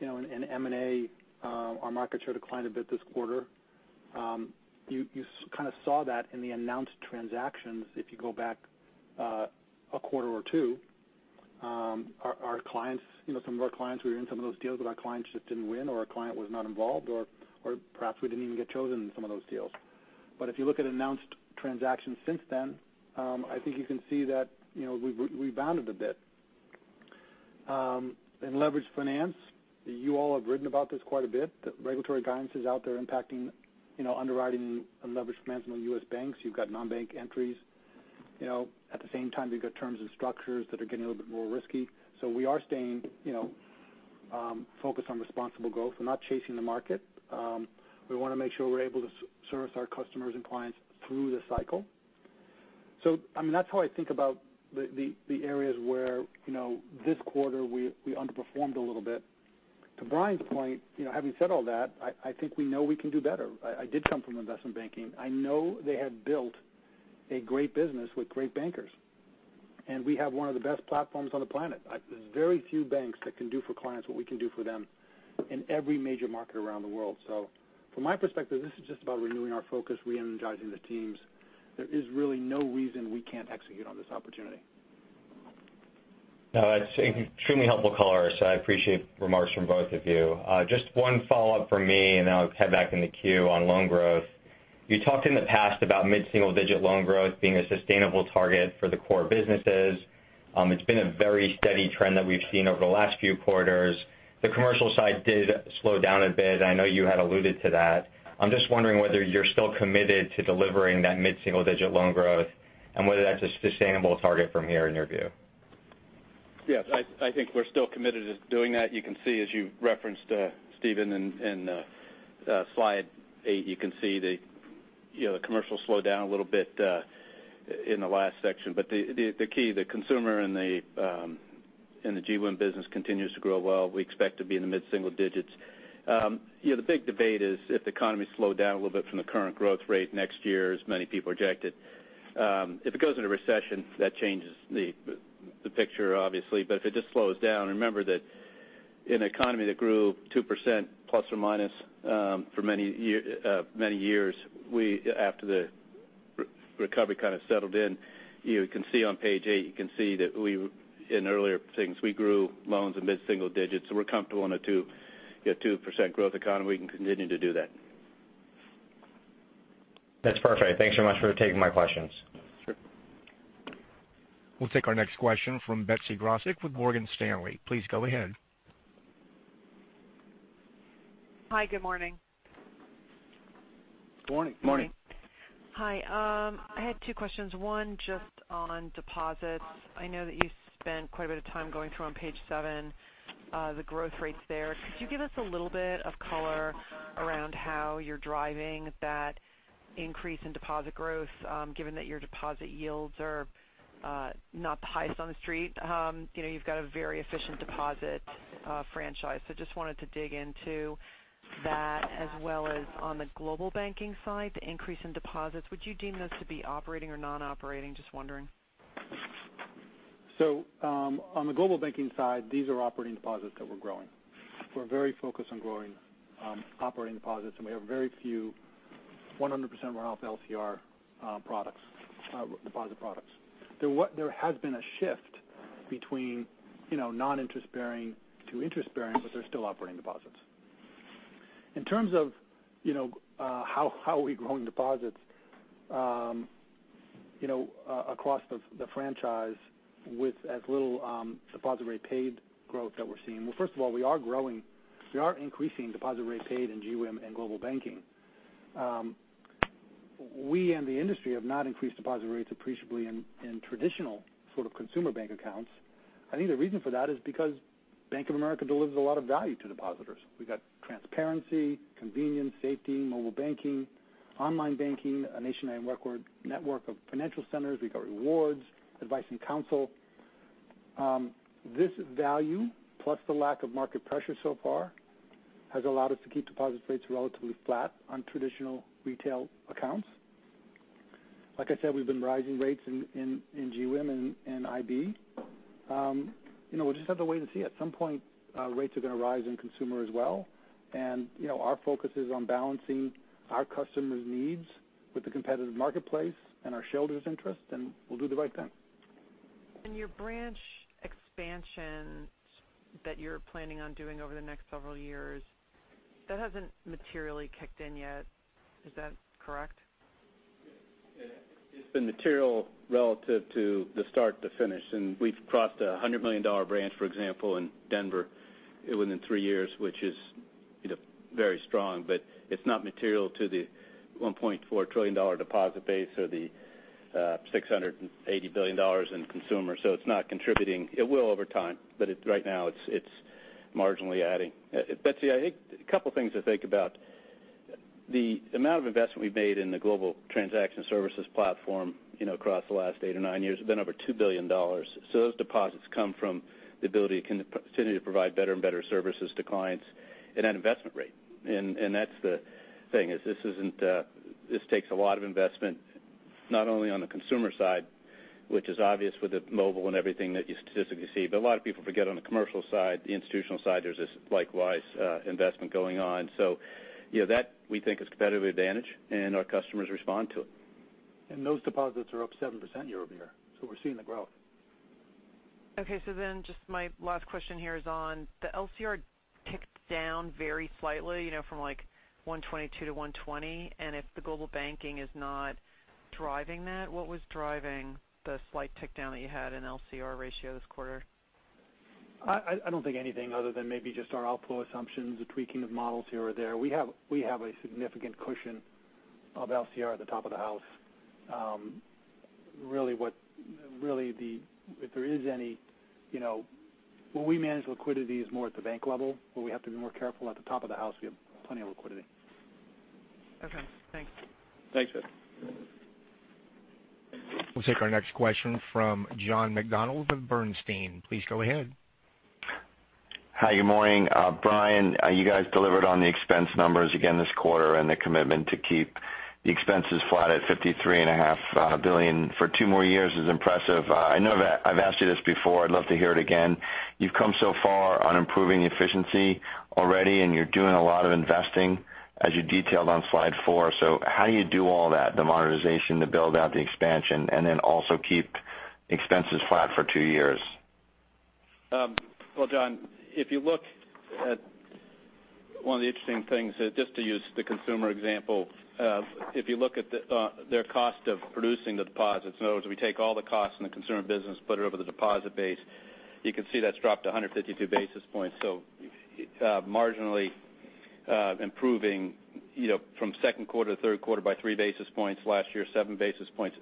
In M&A, our market share declined a bit this quarter. You kind of saw that in the announced transactions, if you go back a quarter or two. Our clients, some of our clients who were in some of those deals, our clients just didn't win, or our client was not involved, or perhaps we didn't even get chosen in some of those deals. If you look at announced transactions since then, I think you can see that we've bounded a bit. In leveraged finance, you all have written about this quite a bit, that regulatory guidance is out there impacting underwriting and leveraged finance in the U.S. banks. You've got non-bank entries. At the same time, you've got terms and structures that are getting a little bit more risky. We are staying focused on responsible growth. We're not chasing the market. We want to make sure we're able to service our customers and clients through the cycle. That's how I think about the areas where, this quarter, we underperformed a little bit. To Brian's point, having said all that, I think we know we can do better. I did come from investment banking. I know they had built a great business with great bankers. We have one of the best platforms on the planet. There's very few banks that can do for clients what we can do for them in every major market around the world. From my perspective, this is just about renewing our focus, re-energizing the teams. There is really no reason we can't execute on this opportunity. No, that's extremely helpful color. I appreciate remarks from both of you. Just one follow-up from me, and then I'll head back in the queue on loan growth. You talked in the past about mid-single digit loan growth being a sustainable target for the core businesses. It's been a very steady trend that we've seen over the last few quarters. The commercial side did slow down a bit. I know you had alluded to that. I'm just wondering whether you're still committed to delivering that mid-single digit loan growth and whether that's a sustainable target from here in your view. Yes. I think we're still committed to doing that. You can see, as you referenced, Steven, in slide eight, you can see the commercial slowed down a little bit in the last section. The key, the consumer and the GWIM business continues to grow well. We expect to be in the mid-single digits. The big debate is if the economy slowed down a little bit from the current growth rate next year, as many people project it. If it goes into recession, that changes the picture, obviously. If it just slows down, remember that in an economy that grew 2% plus or minus for many years, after the recovery kind of settled in, you can see on page eight that in earlier things, we grew loans in mid-single digits. We're comfortable in a 2% growth economy. We can continue to do that. That's perfect. Thanks so much for taking my questions. Sure. We'll take our next question from Betsy Graseck with Morgan Stanley. Please go ahead. Hi, good morning. Morning. Morning. Hi. I had two questions, one just on deposits. I know that you spent quite a bit of time going through on page seven, the growth rates there. Could you give us a little bit of color around how you're driving that increase in deposit growth, given that your deposit yields are not the highest on the street? You've got a very efficient deposit franchise. Just wanted to dig into that, as well as on the Global Banking side, the increase in deposits. Would you deem those to be operating or non-operating? Just wondering. On the global banking side, these are operating deposits that we're growing. We're very focused on growing operating deposits, and we have very few 100% LCR deposit products. There has been a shift between non-interest-bearing to interest-bearing, but they're still operating deposits. In terms of how are we growing deposits across the franchise with as little deposit rate paid growth that we're seeing? First of all, we are growing. We are increasing deposit rate paid in GWIM and Global Banking. We in the industry have not increased deposit rates appreciably in traditional sort of consumer bank accounts. I think the reason for that is because Bank of America delivers a lot of value to depositors. We've got transparency, convenience, safety, mobile banking, online banking, a nationwide network of financial centers. We've got rewards, advice, and counsel. This value, plus the lack of market pressure so far, has allowed us to keep deposit rates relatively flat on traditional retail accounts. Like I said, we've been rising rates in GWIM and IB. We'll just have to wait and see. At some point, rates are going to rise in consumer as well. Our focus is on balancing our customers' needs with the competitive marketplace and our shareholders' interest, and we'll do the right thing. Your branch expansion that you're planning on doing over the next several years, that hasn't materially kicked in yet. Is that correct? It's been material relative to the start to finish, we've crossed a $100 million branch, for example, in Denver within three years, which is very strong, but it's not material to the $1.4 trillion deposit base or the $680 billion in consumer. It's not contributing. It will over time, but right now it's marginally adding. Betsy, I think a couple things to think about. The amount of investment we've made in the global transaction services platform, across the last eight or nine years, have been over $2 billion. Those deposits come from the ability to continue to provide better and better services to clients at an investment rate. That's the thing, is this takes a lot of investment, not only on the consumer side, which is obvious with the mobile and everything that you statistically see. A lot of people forget on the commercial side, the institutional side, there's this likewise investment going on. That, we think, is competitive advantage, and our customers respond to it. Those deposits are up 7% year-over-year. We're seeing the growth. Okay, just my last question here is on the LCR ticked down very slightly, from like 122 to 120. If the Global Banking is not driving that, what was driving the slight tick down that you had in LCR ratio this quarter? I don't think anything other than maybe just our outflow assumptions, the tweaking of models here or there. We have a significant cushion of LCR at the top of the house. If there is any, well, we manage liquidity is more at the bank level, where we have to be more careful. At the top of the house, we have plenty of liquidity. Okay. Thanks. Thanks. We'll take our next question from John McDonald with Bernstein. Please go ahead. Hi, good morning. Brian, you guys delivered on the expense numbers again this quarter, the commitment to keep the expenses flat at $53.5 billion for two more years is impressive. I know that I've asked you this before. I'd love to hear it again. You've come so far on improving efficiency already, you're doing a lot of investing as you detailed on slide four. How do you do all that? The modernization, the build-out, the expansion, also keep expenses flat for two years? Well, John, if you look at one of the interesting things, just to use the consumer example, if you look at their cost of producing the deposits, in other words, we take all the costs in the consumer business, put it over the deposit base, you can see that's dropped 152 basis points. Marginally improving from second quarter to third quarter by three basis points, last year, seven basis points.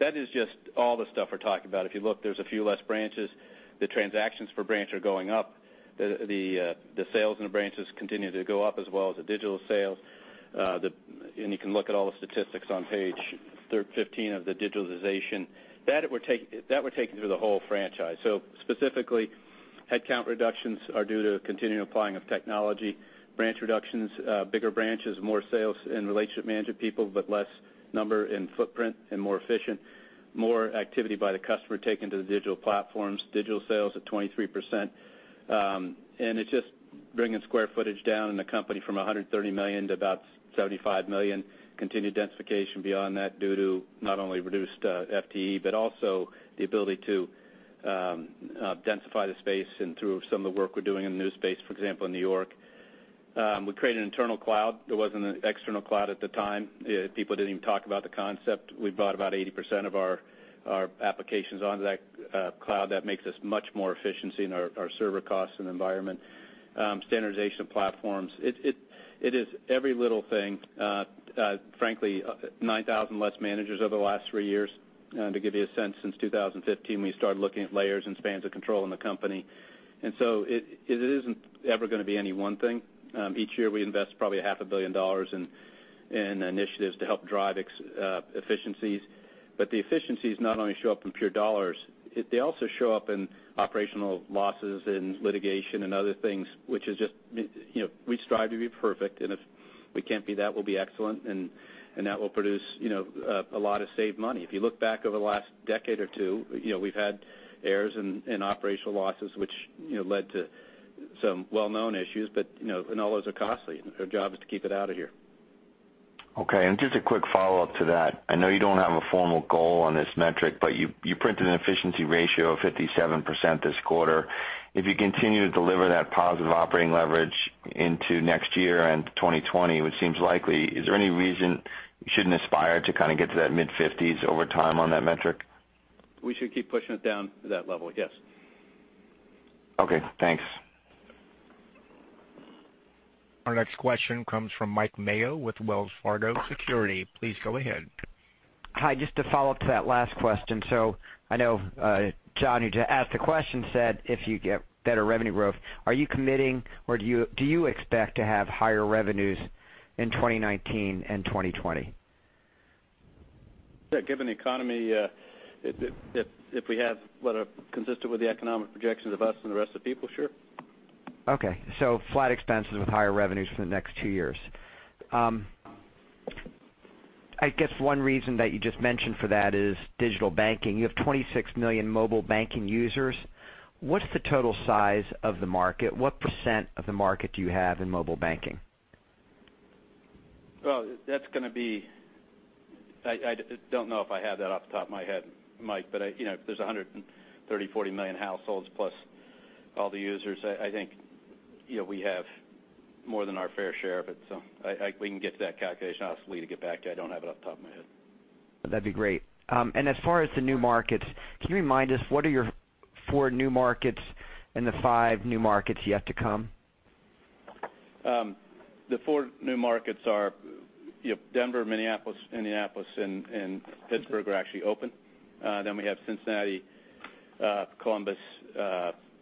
That is just all the stuff we're talking about. If you look, there's a few less branches. The transactions per branch are going up. The sales in the branches continue to go up as well as the digital sales. You can look at all the statistics on page 15 of the digitalization. That we're taking through the whole franchise. Specifically, headcount reductions are due to continuing applying of technology. Branch reductions, bigger branches, more sales in relationship management people, less number in footprint and more efficient. More activity by the customer taken to the digital platforms, digital sales at 23%. It's just bringing square footage down in the company from 130 million to about 75 million. Continued densification beyond that due to not only reduced FTE, but also the ability to densify the space and through some of the work we're doing in the new space, for example, in New York. We created an internal cloud. There wasn't an external cloud at the time. People didn't even talk about the concept. We brought about 80% of our applications onto that cloud. That makes us much more efficiency in our server costs and environment. Standardization of platforms. It is every little thing. Frankly, 9,000 less managers over the last three years. To give you a sense, since 2015, we started looking at layers and spans of control in the company. It isn't ever going to be any one thing. Each year we invest probably half a billion dollars in initiatives to help drive efficiencies. The efficiencies not only show up in pure dollars, they also show up in operational losses in litigation and other things, which is just we strive to be perfect, and if we can't be that, we'll be excellent, and that will produce a lot of saved money. If you look back over the last decade or two, we've had errors in operational losses which led to some well-known issues, and all those are costly. Our job is to keep it out of here. Okay, just a quick follow-up to that. I know you don't have a formal goal on this metric, but you printed an efficiency ratio of 57% this quarter. If you continue to deliver that positive operating leverage into next year and 2020, which seems likely, is there any reason you shouldn't aspire to kind of get to that mid-50s over time on that metric? We should keep pushing it down to that level. Yes. Okay, thanks. Our next question comes from Mike Mayo with Wells Fargo Securities. Please go ahead. Hi. Just to follow up to that last question. I know John who just asked the question said if you get better revenue growth. Are you committing or do you expect to have higher revenues in 2019 and 2020? Yeah, given the economy, if we have what are consistent with the economic projections of us and the rest of the people, sure. Okay. Flat expenses with higher revenues for the next two years. I guess one reason that you just mentioned for that is digital banking. You have 26 million mobile banking users. What's the total size of the market? What % of the market do you have in mobile banking? I don't know if I have that off the top of my head, Mike, but there's 130 million-140 million households plus all the users. I think we have more than our fair share of it. We can get to that calculation. I'll ask Lee to get back to you. I don't have it off the top of my head. That'd be great. As far as the new markets, can you remind us what are your four new markets and the five new markets yet to come? The four new markets are Denver, Minneapolis, Indianapolis, and Pittsburgh are actually open. We have Cincinnati, Columbus,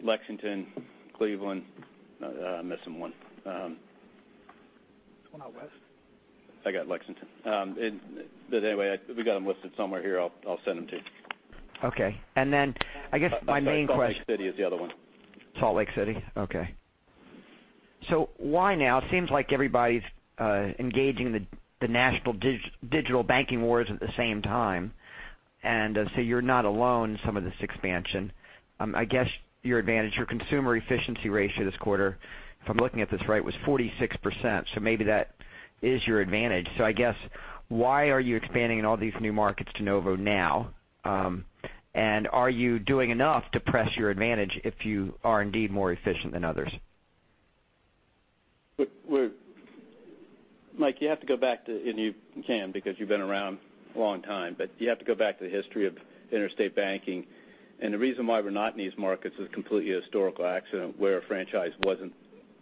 Lexington, Cleveland. I'm missing one. One out west. I got Lexington. Anyway, we got them listed somewhere here. I'll send them to you. Okay. Then I guess my main question- Salt Lake City is the other one. Salt Lake City? Okay. Why now? It seems like everybody's engaging the national digital banking wars at the same time. You're not alone in some of this expansion. I guess your advantage, your consumer efficiency ratio this quarter, if I'm looking at this right, was 46%. Maybe that is your advantage. I guess, why are you expanding in all these new markets de novo now? Are you doing enough to press your advantage if you are indeed more efficient than others? Mike, you can because you've been around a long time, you have to go back to the history of interstate banking. The reason why we're not in these markets is completely a historical accident where a franchise wasn't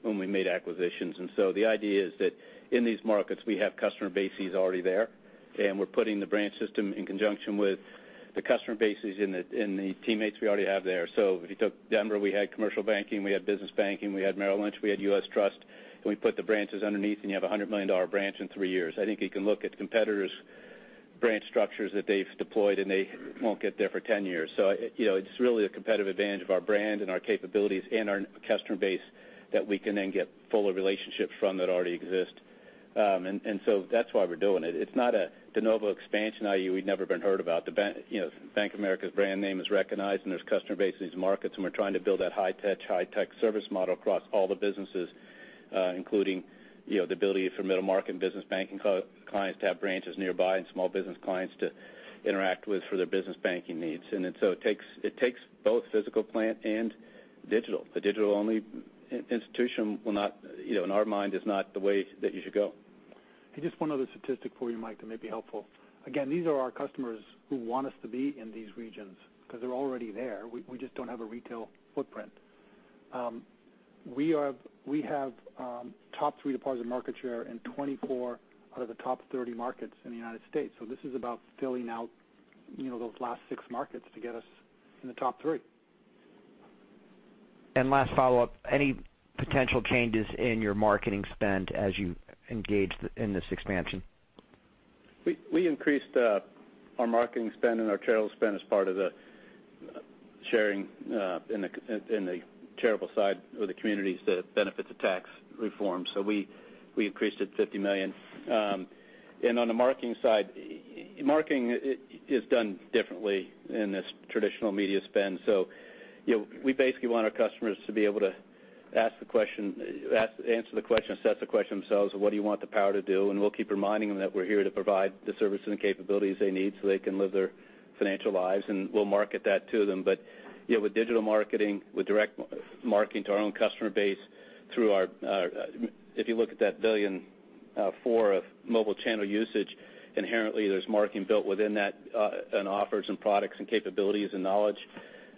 when we made acquisitions. The idea is that in these markets, we have customer bases already there, and we're putting the branch system in conjunction with the customer bases and the teammates we already have there. If you took Denver, we had commercial banking, we had business banking, we had Merrill Lynch, we had U.S. Trust, and we put the branches underneath, and you have a $100 million branch in three years. I think you can look at competitors' branch structures that they've deployed, and they won't get there for 10 years. It's really a competitive advantage of our brand and our capabilities and our customer base that we can then get fuller relationships from that already exist. That's why we're doing it. It's not a de novo expansion, i.e. we've never been heard about. Bank of America's brand name is recognized, there's customer base in these markets, and we're trying to build that high-touch, high-tech service model across all the businesses including the ability for middle-market and business banking clients to have branches nearby and small business clients to interact with for their business banking needs. It takes both physical plant and digital. The digital-only institution, in our mind, is not the way that you should go. Just one other statistic for you, Mike, that may be helpful. Again, these are our customers who want us to be in these regions because they're already there. We just don't have a retail footprint. We have top three deposit market share in 24 out of the top 30 markets in the United States. This is about filling out those last six markets to get us in the top three. Last follow-up, any potential changes in your marketing spend as you engage in this expansion? We increased our marketing spend and our charitable spend as part of the sharing in the charitable side with the communities that benefit the Tax Reform. We increased it $50 million. On the marketing side, marketing is done differently in this traditional media spend. We basically want our customers to be able to answer the question, assess the question themselves of what do you want the power to do? We'll keep reminding them that we're here to provide the services and capabilities they need so they can live their financial lives, and we'll market that to them. With digital marketing, with direct marketing to our own customer base. If you look at that 1.4 billion of mobile channel usage, inherently, there's marketing built within that and offers and products and capabilities and knowledge.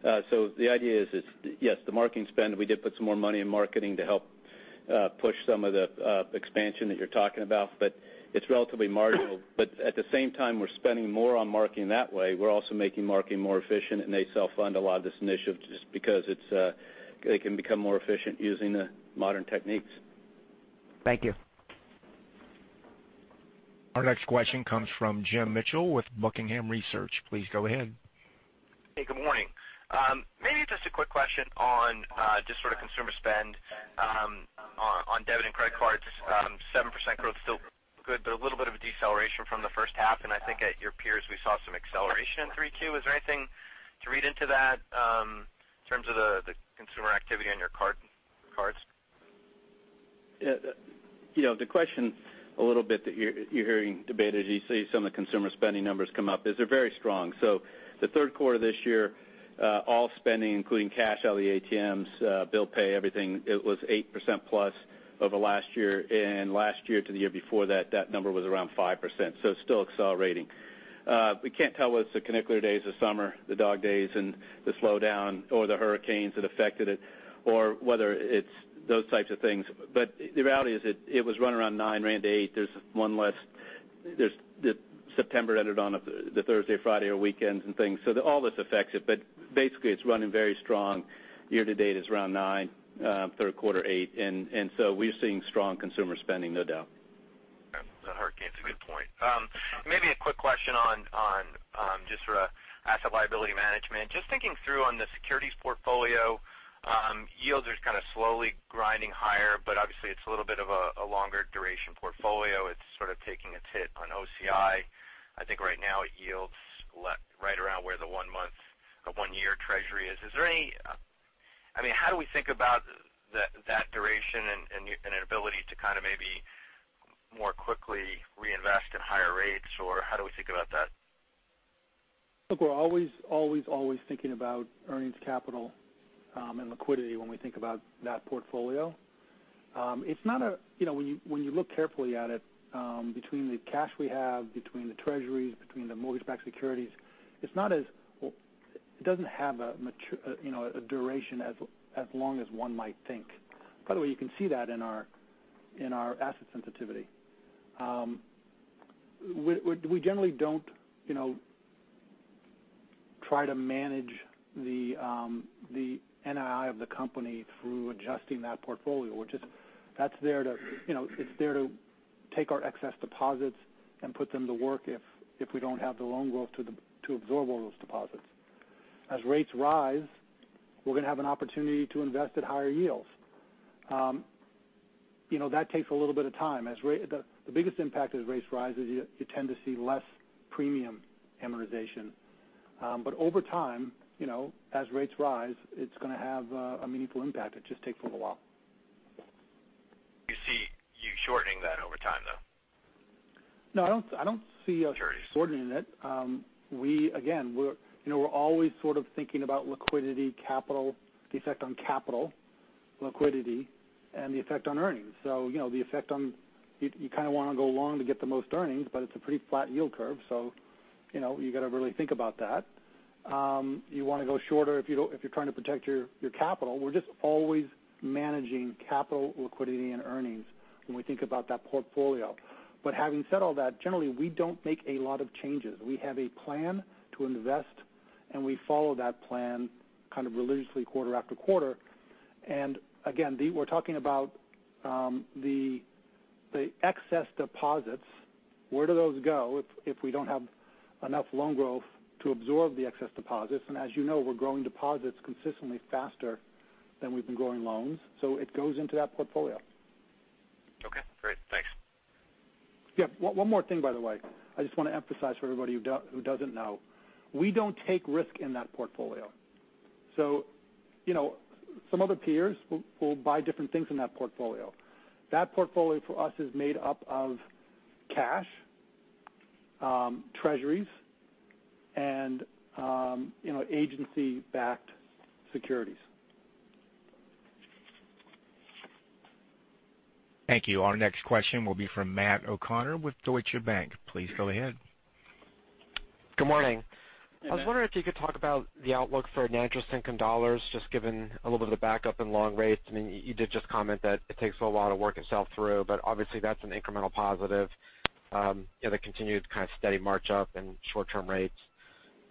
The idea is, yes, the marketing spend, we did put some more money in marketing to help push some of the expansion that you're talking about, but it's relatively marginal. At the same time, we're spending more on marketing that way. We're also making marketing more efficient, and they self-fund a lot of this initiative just because it can become more efficient using the modern techniques. Thank you. Our next question comes from Jim Mitchell with Buckingham Research. Please go ahead. Hey, good morning. Maybe just a quick question on just sort of consumer spend on debit and credit cards. 7% growth is still good, but a little bit of a deceleration from the first half, and I think at your peers, we saw some acceleration in Q3. Is there anything to read into that in terms of the consumer activity on your cards? The question a little bit that you're hearing debated as you see some of the consumer spending numbers come up is they're very strong. The third quarter this year, all spending, including cash out of the ATMs, bill pay, everything, it was 8% plus over last year. Last year to the year before that number was around 5%. It's still accelerating. We can't tell whether it's the canicular days of summer, the dog days, and the slowdown or the hurricanes that affected it, or whether it's those types of things. The reality is it was running around nine, ran to eight. There's one less. September ended on the Thursday, Friday, or weekends and things. All this affects it. Basically, it's running very strong. Year to date is around nine, third quarter eight. We're seeing strong consumer spending, no doubt. The hurricane's a good point. Maybe a quick question on just for asset liability management. Just thinking through on the securities portfolio, yields are kind of slowly grinding higher, but obviously, it's a little bit of a longer duration portfolio. It's sort of taking a hit on OCI. I think right now it yields right around where the one-year treasury is. How do we think about that duration and an ability to kind of maybe more quickly reinvest at higher rates, or how do we think about that? Look, we're always thinking about earnings capital and liquidity when we think about that portfolio. When you look carefully at it, between the cash we have, between the treasuries, between the mortgage-backed securities, it doesn't have a duration as long as one might think. By the way, you can see that in our asset sensitivity. We generally don't try to manage the NII of the company through adjusting that portfolio. It's there to take our excess deposits and put them to work if we don't have the loan growth to absorb all those deposits. As rates rise, we're going to have an opportunity to invest at higher yields. That takes a little bit of time. The biggest impact as rates rise is you tend to see less premium amortization. Over time, as rates rise, it's going to have a meaningful impact. It just takes a little while. You see you shortening that over time, though? No, I don't see us shortening it. Again, we're always sort of thinking about liquidity capital, the effect on capital liquidity, and the effect on earnings. You kind of want to go long to get the most earnings, but it's a pretty flat yield curve, so you got to really think about that. You want to go shorter if you're trying to protect your capital. We're just always managing capital liquidity and earnings when we think about that portfolio. Having said all that, generally, we don't make a lot of changes. We have a plan to invest, and we follow that plan kind of religiously quarter after quarter. Again, we're talking about the excess deposits. Where do those go if we don't have enough loan growth to absorb the excess deposits? As you know, we're growing deposits consistently faster than we've been growing loans. It goes into that portfolio. Okay, great. Thanks. Yeah. One more thing, by the way. I just want to emphasize for everybody who doesn't know. We don't take risk in that portfolio. Some other peers will buy different things in that portfolio. That portfolio for us is made up of cash, treasuries, and agency-backed securities. Thank you. Our next question will be from Matt O'Connor with Deutsche Bank. Please go ahead. Good morning. I was wondering if you could talk about the outlook for net interest income dollars, just given a little bit of the backup in loan rates. You did just comment that it takes a little while to work itself through, but obviously, that's an incremental positive. The continued kind of steady march up in short-term rates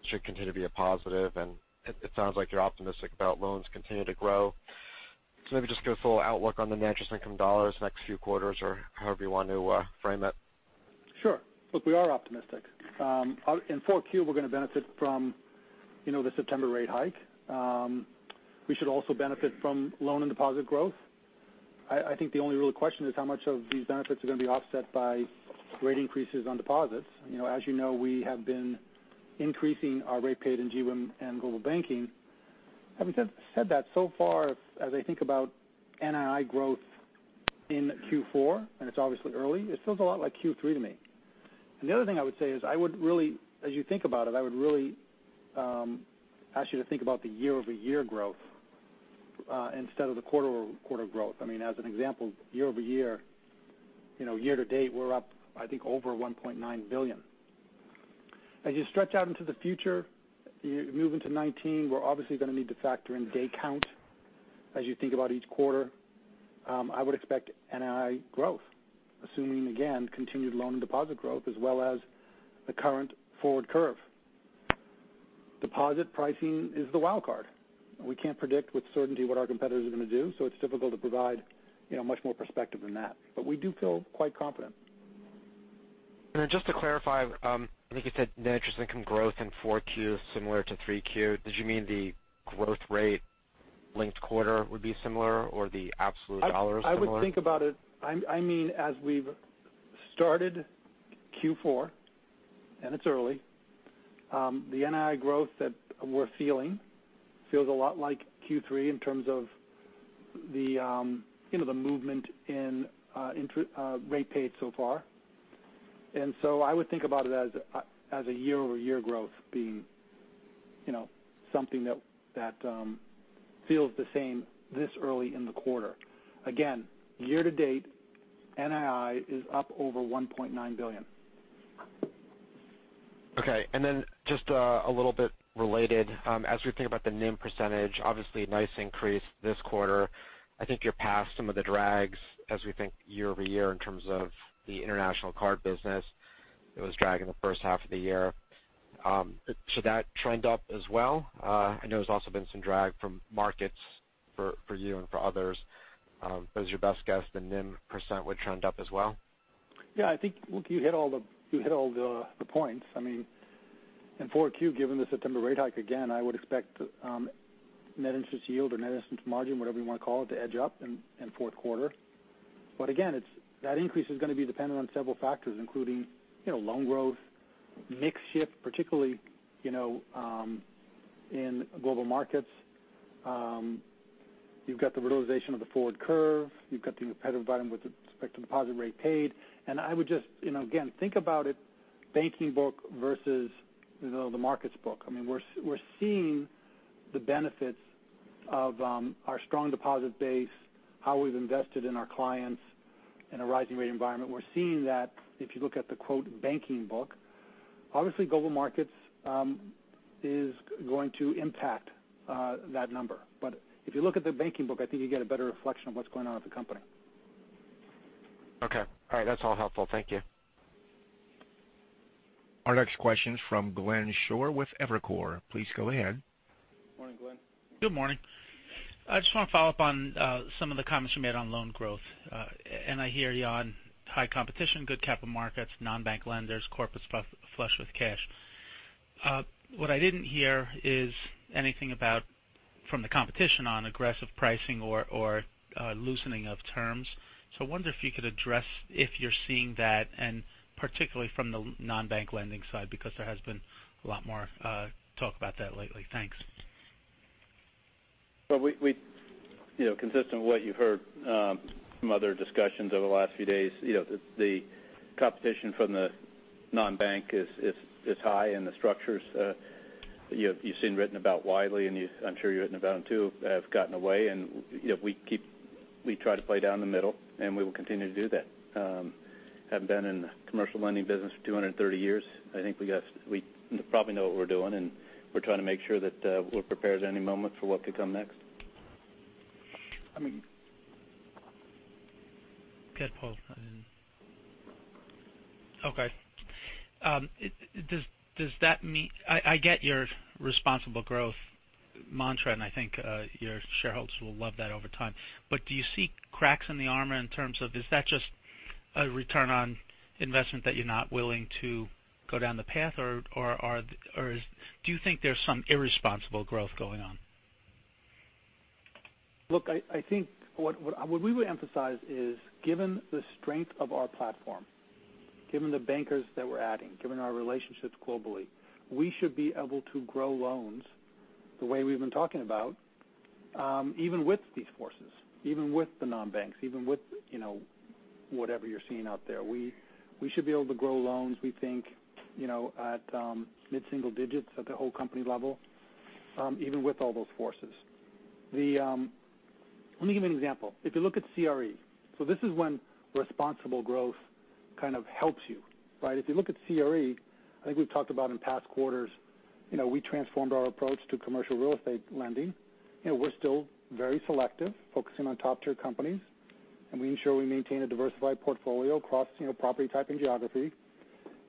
should continue to be a positive, and it sounds like you're optimistic about loans continue to grow. Maybe just give us a little outlook on the net interest income dollars next few quarters or however you want to frame it. Sure. Look, we are optimistic. In 4Q, we're going to benefit from the September rate hike. We should also benefit from loan and deposit growth. I think the only real question is how much of these benefits are going to be offset by rate increases on deposits. As you know, we have been increasing our rate paid in GWIM and Global Banking. Having said that, so far as I think about NII growth in Q4, and it's obviously early, it feels a lot like Q3 to me. The other thing I would say is, as you think about it, I would really ask you to think about the year-over-year growth instead of the quarter-over-quarter growth. As an example, year-over-year, year to date, we're up, I think, over $1.9 billion. As you stretch out into the future, you move into 2019, we're obviously going to need to factor in day count as you think about each quarter. I would expect NII growth, assuming again, continued loan and deposit growth as well as the current forward curve. Deposit pricing is the wild card. We can't predict with certainty what our competitors are going to do, so it's difficult to provide much more perspective than that. We do feel quite confident. Just to clarify, I think you said net interest income growth in 4Q is similar to 3Q. Did you mean the growth rate linked quarter would be similar or the absolute dollars similar? I would think about it as we've started Q4, and it's early, the NII growth that we're feeling feels a lot like Q3 in terms of the movement in rate paid so far. I would think about it as a year-over-year growth being something that feels the same this early in the quarter. Again, year-to-date, NII is up over $1.9 billion. Okay. Just a little bit related. As we think about the NIM percentage, obviously nice increase this quarter. I think you're past some of the drags as we think year-over-year in terms of the international card business that was dragging the first half of the year. Should that trend up as well? I know there's also been some drag from markets for you and for others. Is your best guess the NIM percent would trend up as well? I think you hit all the points. In 4Q, given the September rate hike, again, I would expect net interest yield or net interest margin, whatever you want to call it, to edge up in fourth quarter. Again, that increase is going to be dependent on several factors, including loan growth, mix shift, particularly in Global Markets. You've got the realization of the forward curve. You've got the competitive environment with respect to deposit rate paid. I would just, again, think about it banking book versus the markets book. We're seeing the benefits of our strong deposit base, how we've invested in our clients in a rising rate environment. We're seeing that if you look at the quote banking book. Global Markets is going to impact that number. If you look at the banking book, I think you get a better reflection of what's going on at the company. Okay. All right. That's all helpful. Thank you. Our next question is from Glenn Schorr with Evercore. Please go ahead. Morning, Glenn. Good morning. I just want to follow up on some of the comments you made on loan growth. I hear you on high competition, good capital markets, non-bank lenders, corporates flush with cash. What I didn't hear is anything about from the competition on aggressive pricing or loosening of terms. I wonder if you could address if you're seeing that, and particularly from the non-bank lending side, because there has been a lot more talk about that lately. Thanks. Well, consistent with what you've heard from other discussions over the last few days, the competition from the non-bank is high and the structures you've seen written about widely, and I'm sure you've written about them too, have gotten away and we try to play down the middle, and we will continue to do that. Having been in the commercial lending business for 230 years, I think we probably know what we're doing, and we're trying to make sure that we're prepared at any moment for what could come next. Go ahead, Paul. Okay. I get your responsible growth mantra. I think your shareholders will love that over time. Do you see cracks in the armor in terms of is that just a return on investment that you're not willing to go down the path, or do you think there's some irresponsible growth going on? I think what we would emphasize is, given the strength of our platform, given the bankers that we're adding, given our relationships globally, we should be able to grow loans the way we've been talking about even with these forces, even with the non-banks, even with whatever you're seeing out there. We should be able to grow loans, we think, at mid-single digits at the whole company level even with all those forces. Let me give you an example. If you look at CRE. This is when responsible growth kind of helps you. If you look at CRE, I think we've talked about in past quarters, we transformed our approach to commercial real estate lending. We're still very selective, focusing on top-tier companies, and we ensure we maintain a diversified portfolio across property type and geography.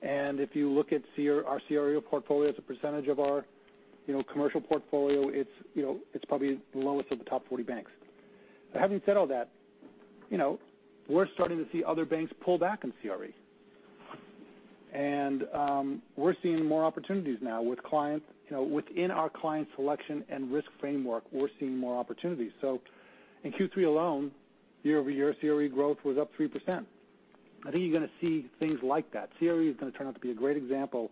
If you look at our CRE portfolio as a percentage of our commercial portfolio, it's probably the lowest of the top 40 banks. Having said all that, we're starting to see other banks pull back in CRE. We're seeing more opportunities now within our client selection and risk framework. We're seeing more opportunities. In Q3 alone, year-over-year CRE growth was up 3%. I think you're going to see things like that. CRE is going to turn out to be a great example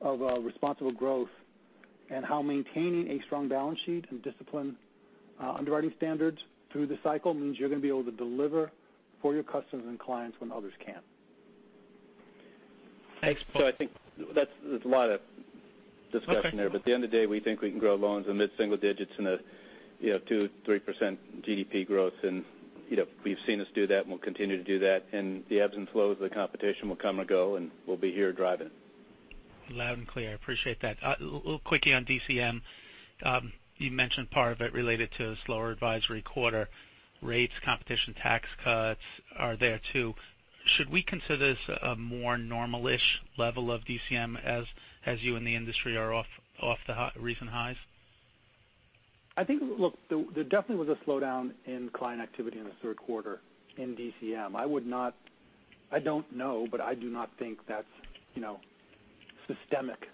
of responsible growth and how maintaining a strong balance sheet and disciplined underwriting standards through the cycle means you're going to be able to deliver for your customers and clients when others can't. Thanks, Paul. I think there's a lot of discussion there. Okay. At the end of the day, we think we can grow loans in mid-single digits in a 2%-3% GDP growth. We've seen us do that, and we'll continue to do that. The ebbs and flows of the competition will come and go, and we'll be here driving. Loud and clear. I appreciate that. A little quickly on DCM. You mentioned part of it related to a slower advisory quarter. Rates, competition, tax cuts are there too. Should we consider this a more normal-ish level of DCM as you in the industry are off the recent highs? I think, look, there definitely was a slowdown in client activity in the third quarter in DCM. I don't know, but I do not think that's systemic.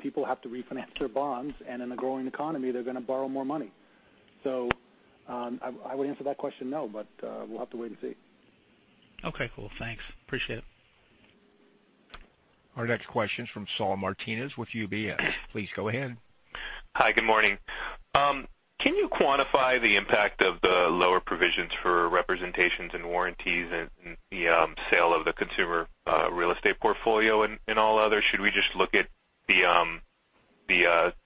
People have to refinance their bonds, and in a growing economy, they're going to borrow more money. I would answer that question no, but we'll have to wait and see. Okay, cool. Thanks. Appreciate it. Our next question is from Saul Martinez with UBS. Please go ahead. Hi, good morning. Can you quantify the impact of the lower provisions for representations and warranties in the sale of the consumer real estate portfolio in all other? Should we just look at the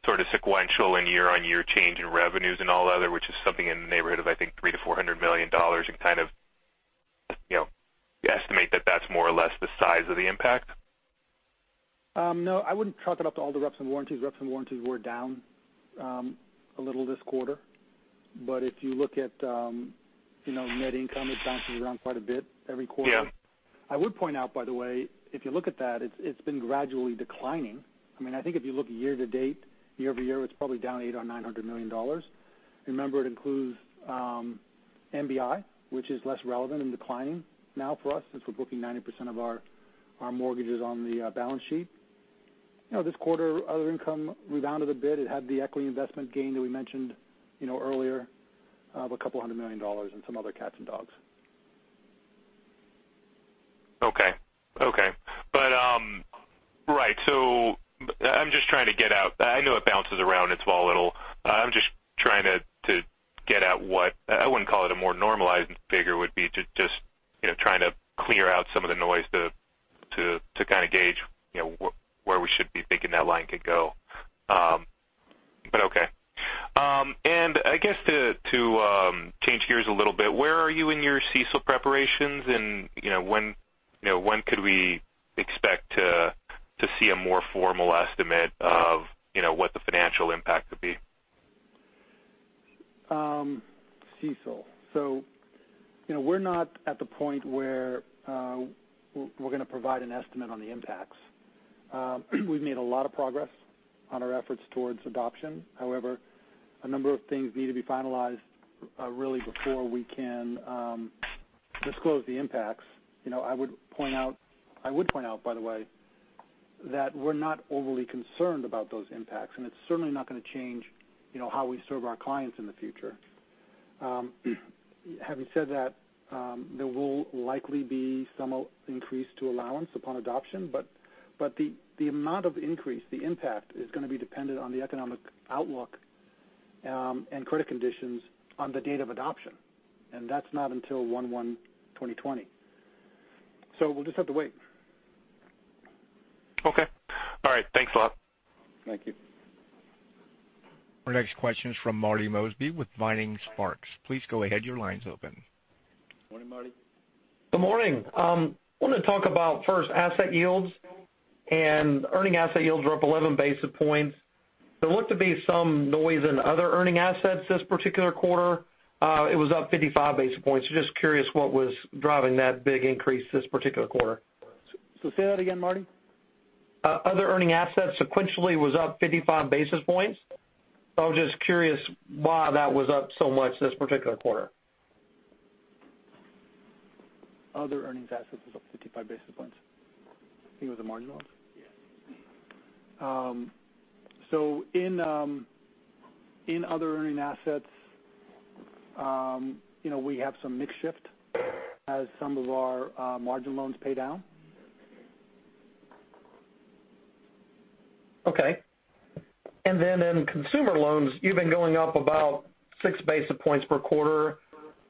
sort of sequential and year-on-year change in revenues in all other, which is something in the neighborhood of, I think, $300 million-$400 million, and kind of estimate that that's more or less the size of the impact? I wouldn't chalk it up to all the reps and warranties. Reps and warranties were down a little this quarter. If you look at net income, it bounces around quite a bit every quarter. Yeah. I would point out, by the way, if you look at that, it's been gradually declining. I think if you look year to date, year-over-year, it's probably down $800 million-$900 million. Remember, it includes NBI, which is less relevant and declining now for us since we're booking 90% of our mortgages on the balance sheet. This quarter, other income rebounded a bit. It had the equity investment gain that we mentioned earlier of a couple hundred million dollars and some other cats and dogs. I'm just trying to get out. I know it bounces around, it's volatile. I'm just trying to get at what, I wouldn't call it a more normalized figure, would be to just trying to clear out some of the noise to kind of gauge where we should be thinking that line could go. Okay. I guess to change gears a little bit, where are you in your CECL preparations and when could we expect to see a more formal estimate of what the financial impact could be? CECL. We're not at the point where we're going to provide an estimate on the impacts. We've made a lot of progress on our efforts towards adoption. However, a number of things need to be finalized really before we can Disclose the impacts. I would point out, by the way, that we're not overly concerned about those impacts, and it's certainly not going to change how we serve our clients in the future. Having said that, there will likely be some increase to allowance upon adoption, but the amount of increase, the impact, is going to be dependent on the economic outlook and credit conditions on the date of adoption. That's not until 01/01/2020. We'll just have to wait. Okay. All right. Thanks a lot. Thank you. Our next question is from Marty Mosby with Vining Sparks. Please go ahead. Your line's open. Morning, Marty. Good morning. I want to talk about first asset yields, and earning asset yields are up 11 basis points. There looked to be some noise in other earning assets this particular quarter. It was up 55 basis points. Just curious what was driving that big increase this particular quarter. Say that again, Marty? Other earning assets sequentially was up 55 basis points. I was just curious why that was up so much this particular quarter. Other earning assets was up 55 basis points. You think it was the margin loans? Yes. In other earning assets, we have some mix shift as some of our margin loans pay down. Okay. In consumer loans, you've been going up about six basis points per quarter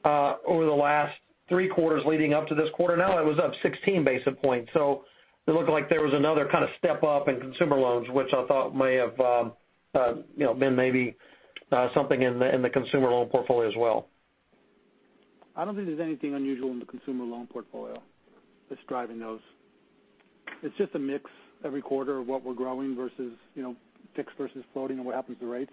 over the last three quarters leading up to this quarter. Now it was up 16 basis points. It looked like there was another kind of step up in consumer loans, which I thought may have been something in the consumer loan portfolio as well. I don't think there's anything unusual in the consumer loan portfolio that's driving those. It's just a mix every quarter of what we're growing versus fixed versus floating and what happens to rates.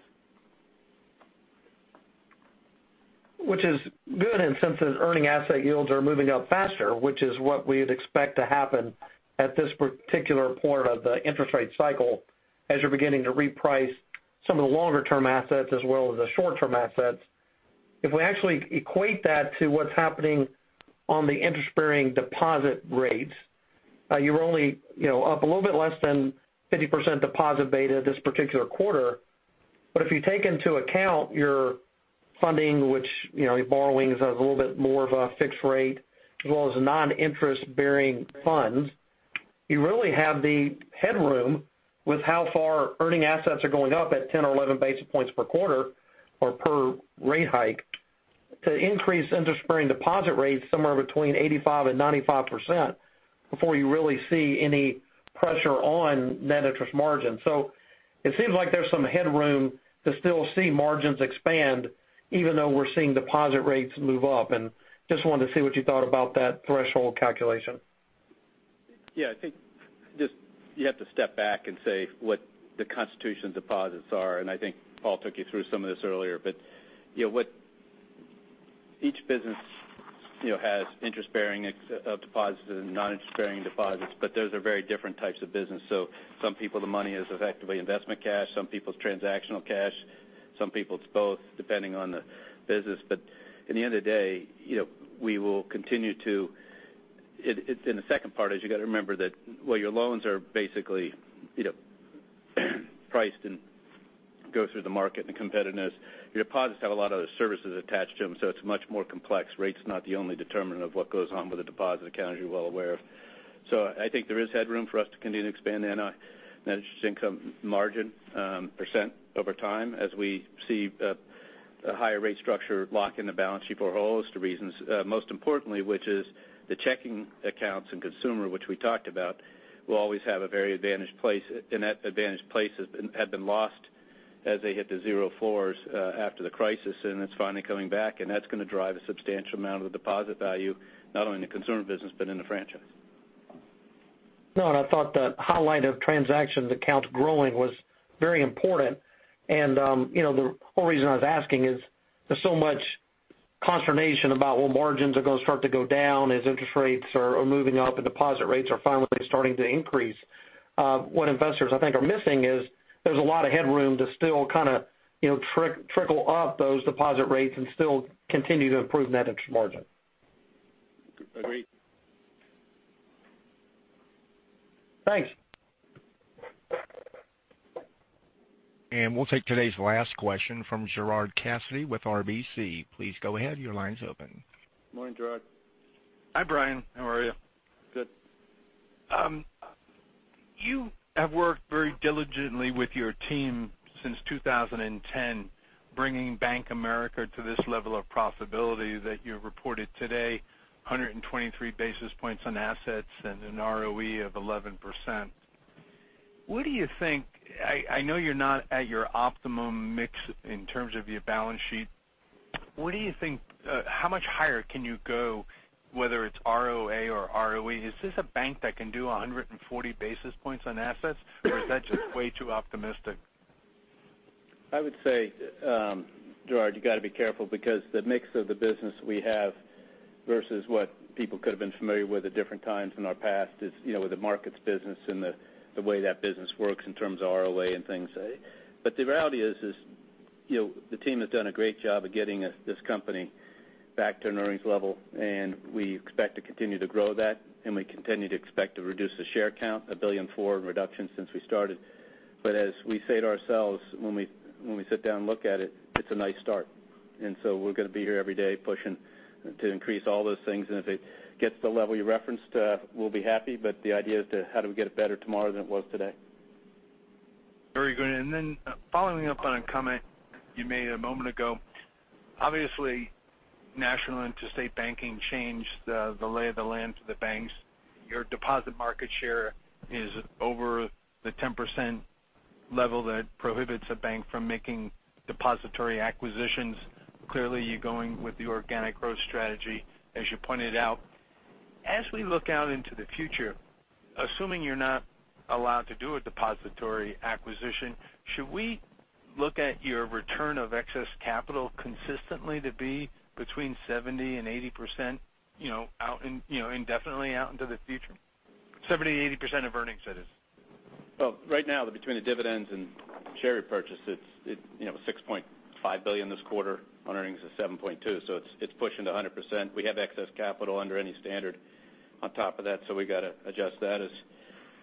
Which is good. Since those earning asset yields are moving up faster, which is what we'd expect to happen at this particular point of the interest rate cycle, as you're beginning to reprice some of the longer-term assets as well as the short-term assets. If we actually equate that to what's happening on the interest-bearing deposit rates, you're only up a little bit less than 50% deposit beta this particular quarter. If you take into account your funding, which borrowings is a little bit more of a fixed rate as well as non-interest-bearing funds, you really have the headroom with how far earning assets are going up at 10 or 11 basis points per quarter or per rate hike to increase interest-bearing deposit rates somewhere between 85% and 95% before you really see any pressure on net interest margin. It seems like there's some headroom to still see margins expand even though we're seeing deposit rates move up. Just wanted to see what you thought about that threshold calculation. I think just you have to step back and say what the composition of deposits are, and I think Paul took you through some of this earlier. Each business has interest-bearing deposits and non-interest-bearing deposits, but those are very different types of business. Some people, the money is effectively investment cash, some people, it's transactional cash, some people, it's both, depending on the business. At the end of the day, the second part is you got to remember that while your loans are basically priced and go through the market and competitiveness, your deposits have a lot of services attached to them, so it's much more complex. Rate's not the only determinant of what goes on with a deposit account, as you're well aware of. I think there is headroom for us to continue to expand the net interest income margin percent over time as we see a higher rate structure lock in the balance sheet for a host of reasons. Most importantly, which is the checking accounts and Consumer, which we talked about, will always have a very advantaged place. That advantaged place had been lost as they hit the zero floors after the crisis, and it's finally coming back, and that's going to drive a substantial amount of the deposit value, not only in the Consumer business but in the franchise. No, I thought the highlight of transactions accounts growing was very important. The whole reason I was asking is there's so much consternation about will margins are going to start to go down as interest rates are moving up and deposit rates are finally starting to increase. What investors, I think, are missing is there's a lot of headroom to still kind of trickle up those deposit rates and still continue to improve net interest margin. Agreed. Thanks. We'll take today's last question from Gerard Cassidy with RBC. Please go ahead. Your line's open. Morning, Gerard. Hi, Brian. How are you? Good. You have worked very diligently with your team since 2010, bringing Bank of America to this level of profitability that you reported today, 123 basis points on assets and an ROE of 11%. I know you're not at your optimum mix in terms of your balance sheet. How much higher can you go, whether it's ROA or ROE? Is this a bank that can do 140 basis points on assets, or is that just way too optimistic? I would say, Gerard, you got to be careful because the mix of the business we have versus what people could've been familiar with at different times in our past is with the markets business and the way that business works in terms of ROA and things. The reality is The team has done a great job of getting this company back to an earnings level, and we expect to continue to grow that, and we continue to expect to reduce the share count, $1.4 billion in reduction since we started. As we say to ourselves when we sit down and look at it's a nice start. We're going to be here every day pushing to increase all those things. If it gets to the level you referenced, we'll be happy. The idea is how do we get it better tomorrow than it was today? Very good. Following up on a comment you made a moment ago, obviously, national interstate banking changed the lay of the land to the banks. Your deposit market share is over the 10% level that prohibits a bank from making depository acquisitions. Clearly, you're going with the organic growth strategy, as you pointed out. As we look out into the future, assuming you're not allowed to do a depository acquisition, should we look at your return of excess capital consistently to be between 70% and 80% indefinitely out into the future? 70%, 80% of earnings, that is. Well, right now, between the dividends and share purchases, it was $6.5 billion this quarter on earnings of $7.2 billion. It's pushing to 100%. We have excess capital under any standard on top of that. We got to adjust that as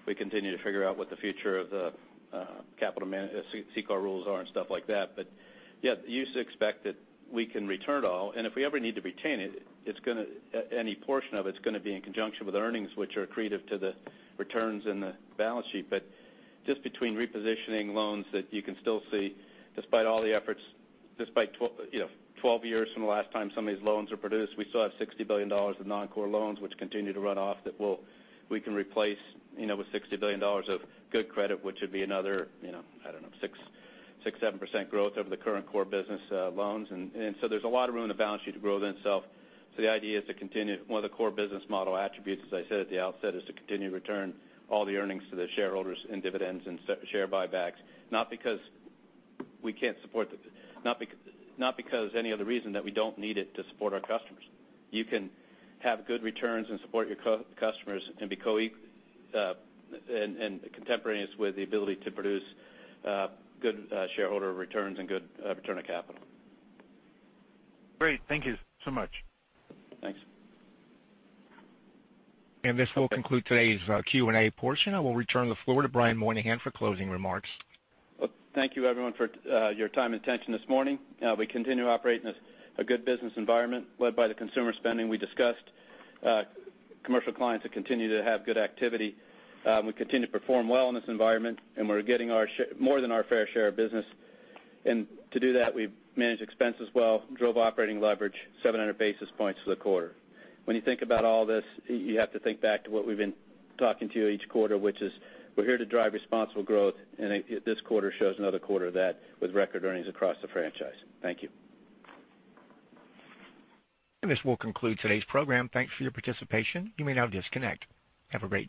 we continue to figure out what the future of the CCAR rules are and stuff like that. Yes, you should expect that we can return it all, and if we ever need to retain any portion of it's going to be in conjunction with earnings which are accretive to the returns in the balance sheet. Just between repositioning loans that you can still see, despite all the efforts, despite 12 years from the last time some of these loans were produced, we still have $60 billion of non-core loans which continue to run off that we can replace with $60 billion of good credit, which would be another, I don't know, 6%, 7% growth over the current core business loans. There's a lot of room in the balance sheet to grow themselves. The idea is to continue. One of the core business model attributes, as I said at the outset, is to continue to return all the earnings to the shareholders in dividends and share buybacks. Not because any other reason that we don't need it to support our customers. You can have good returns and support your customers and be contemporaneous with the ability to produce good shareholder returns and good return of capital. Great. Thank you so much. Thanks. This will conclude today's Q&A portion. I will return the floor to Brian Moynihan for closing remarks. Well, thank you, everyone, for your time and attention this morning. We continue to operate in a good business environment led by the consumer spending we discussed. Commercial clients that continue to have good activity. We continue to perform well in this environment, and we're getting more than our fair share of business. To do that, we've managed expenses well, drove operating leverage 700 basis points for the quarter. When you think about all this, you have to think back to what we've been talking to you each quarter, which is we're here to drive responsible growth, and this quarter shows another quarter of that with record earnings across the franchise. Thank you. This will conclude today's program. Thanks for your participation. You may now disconnect. Have a great day.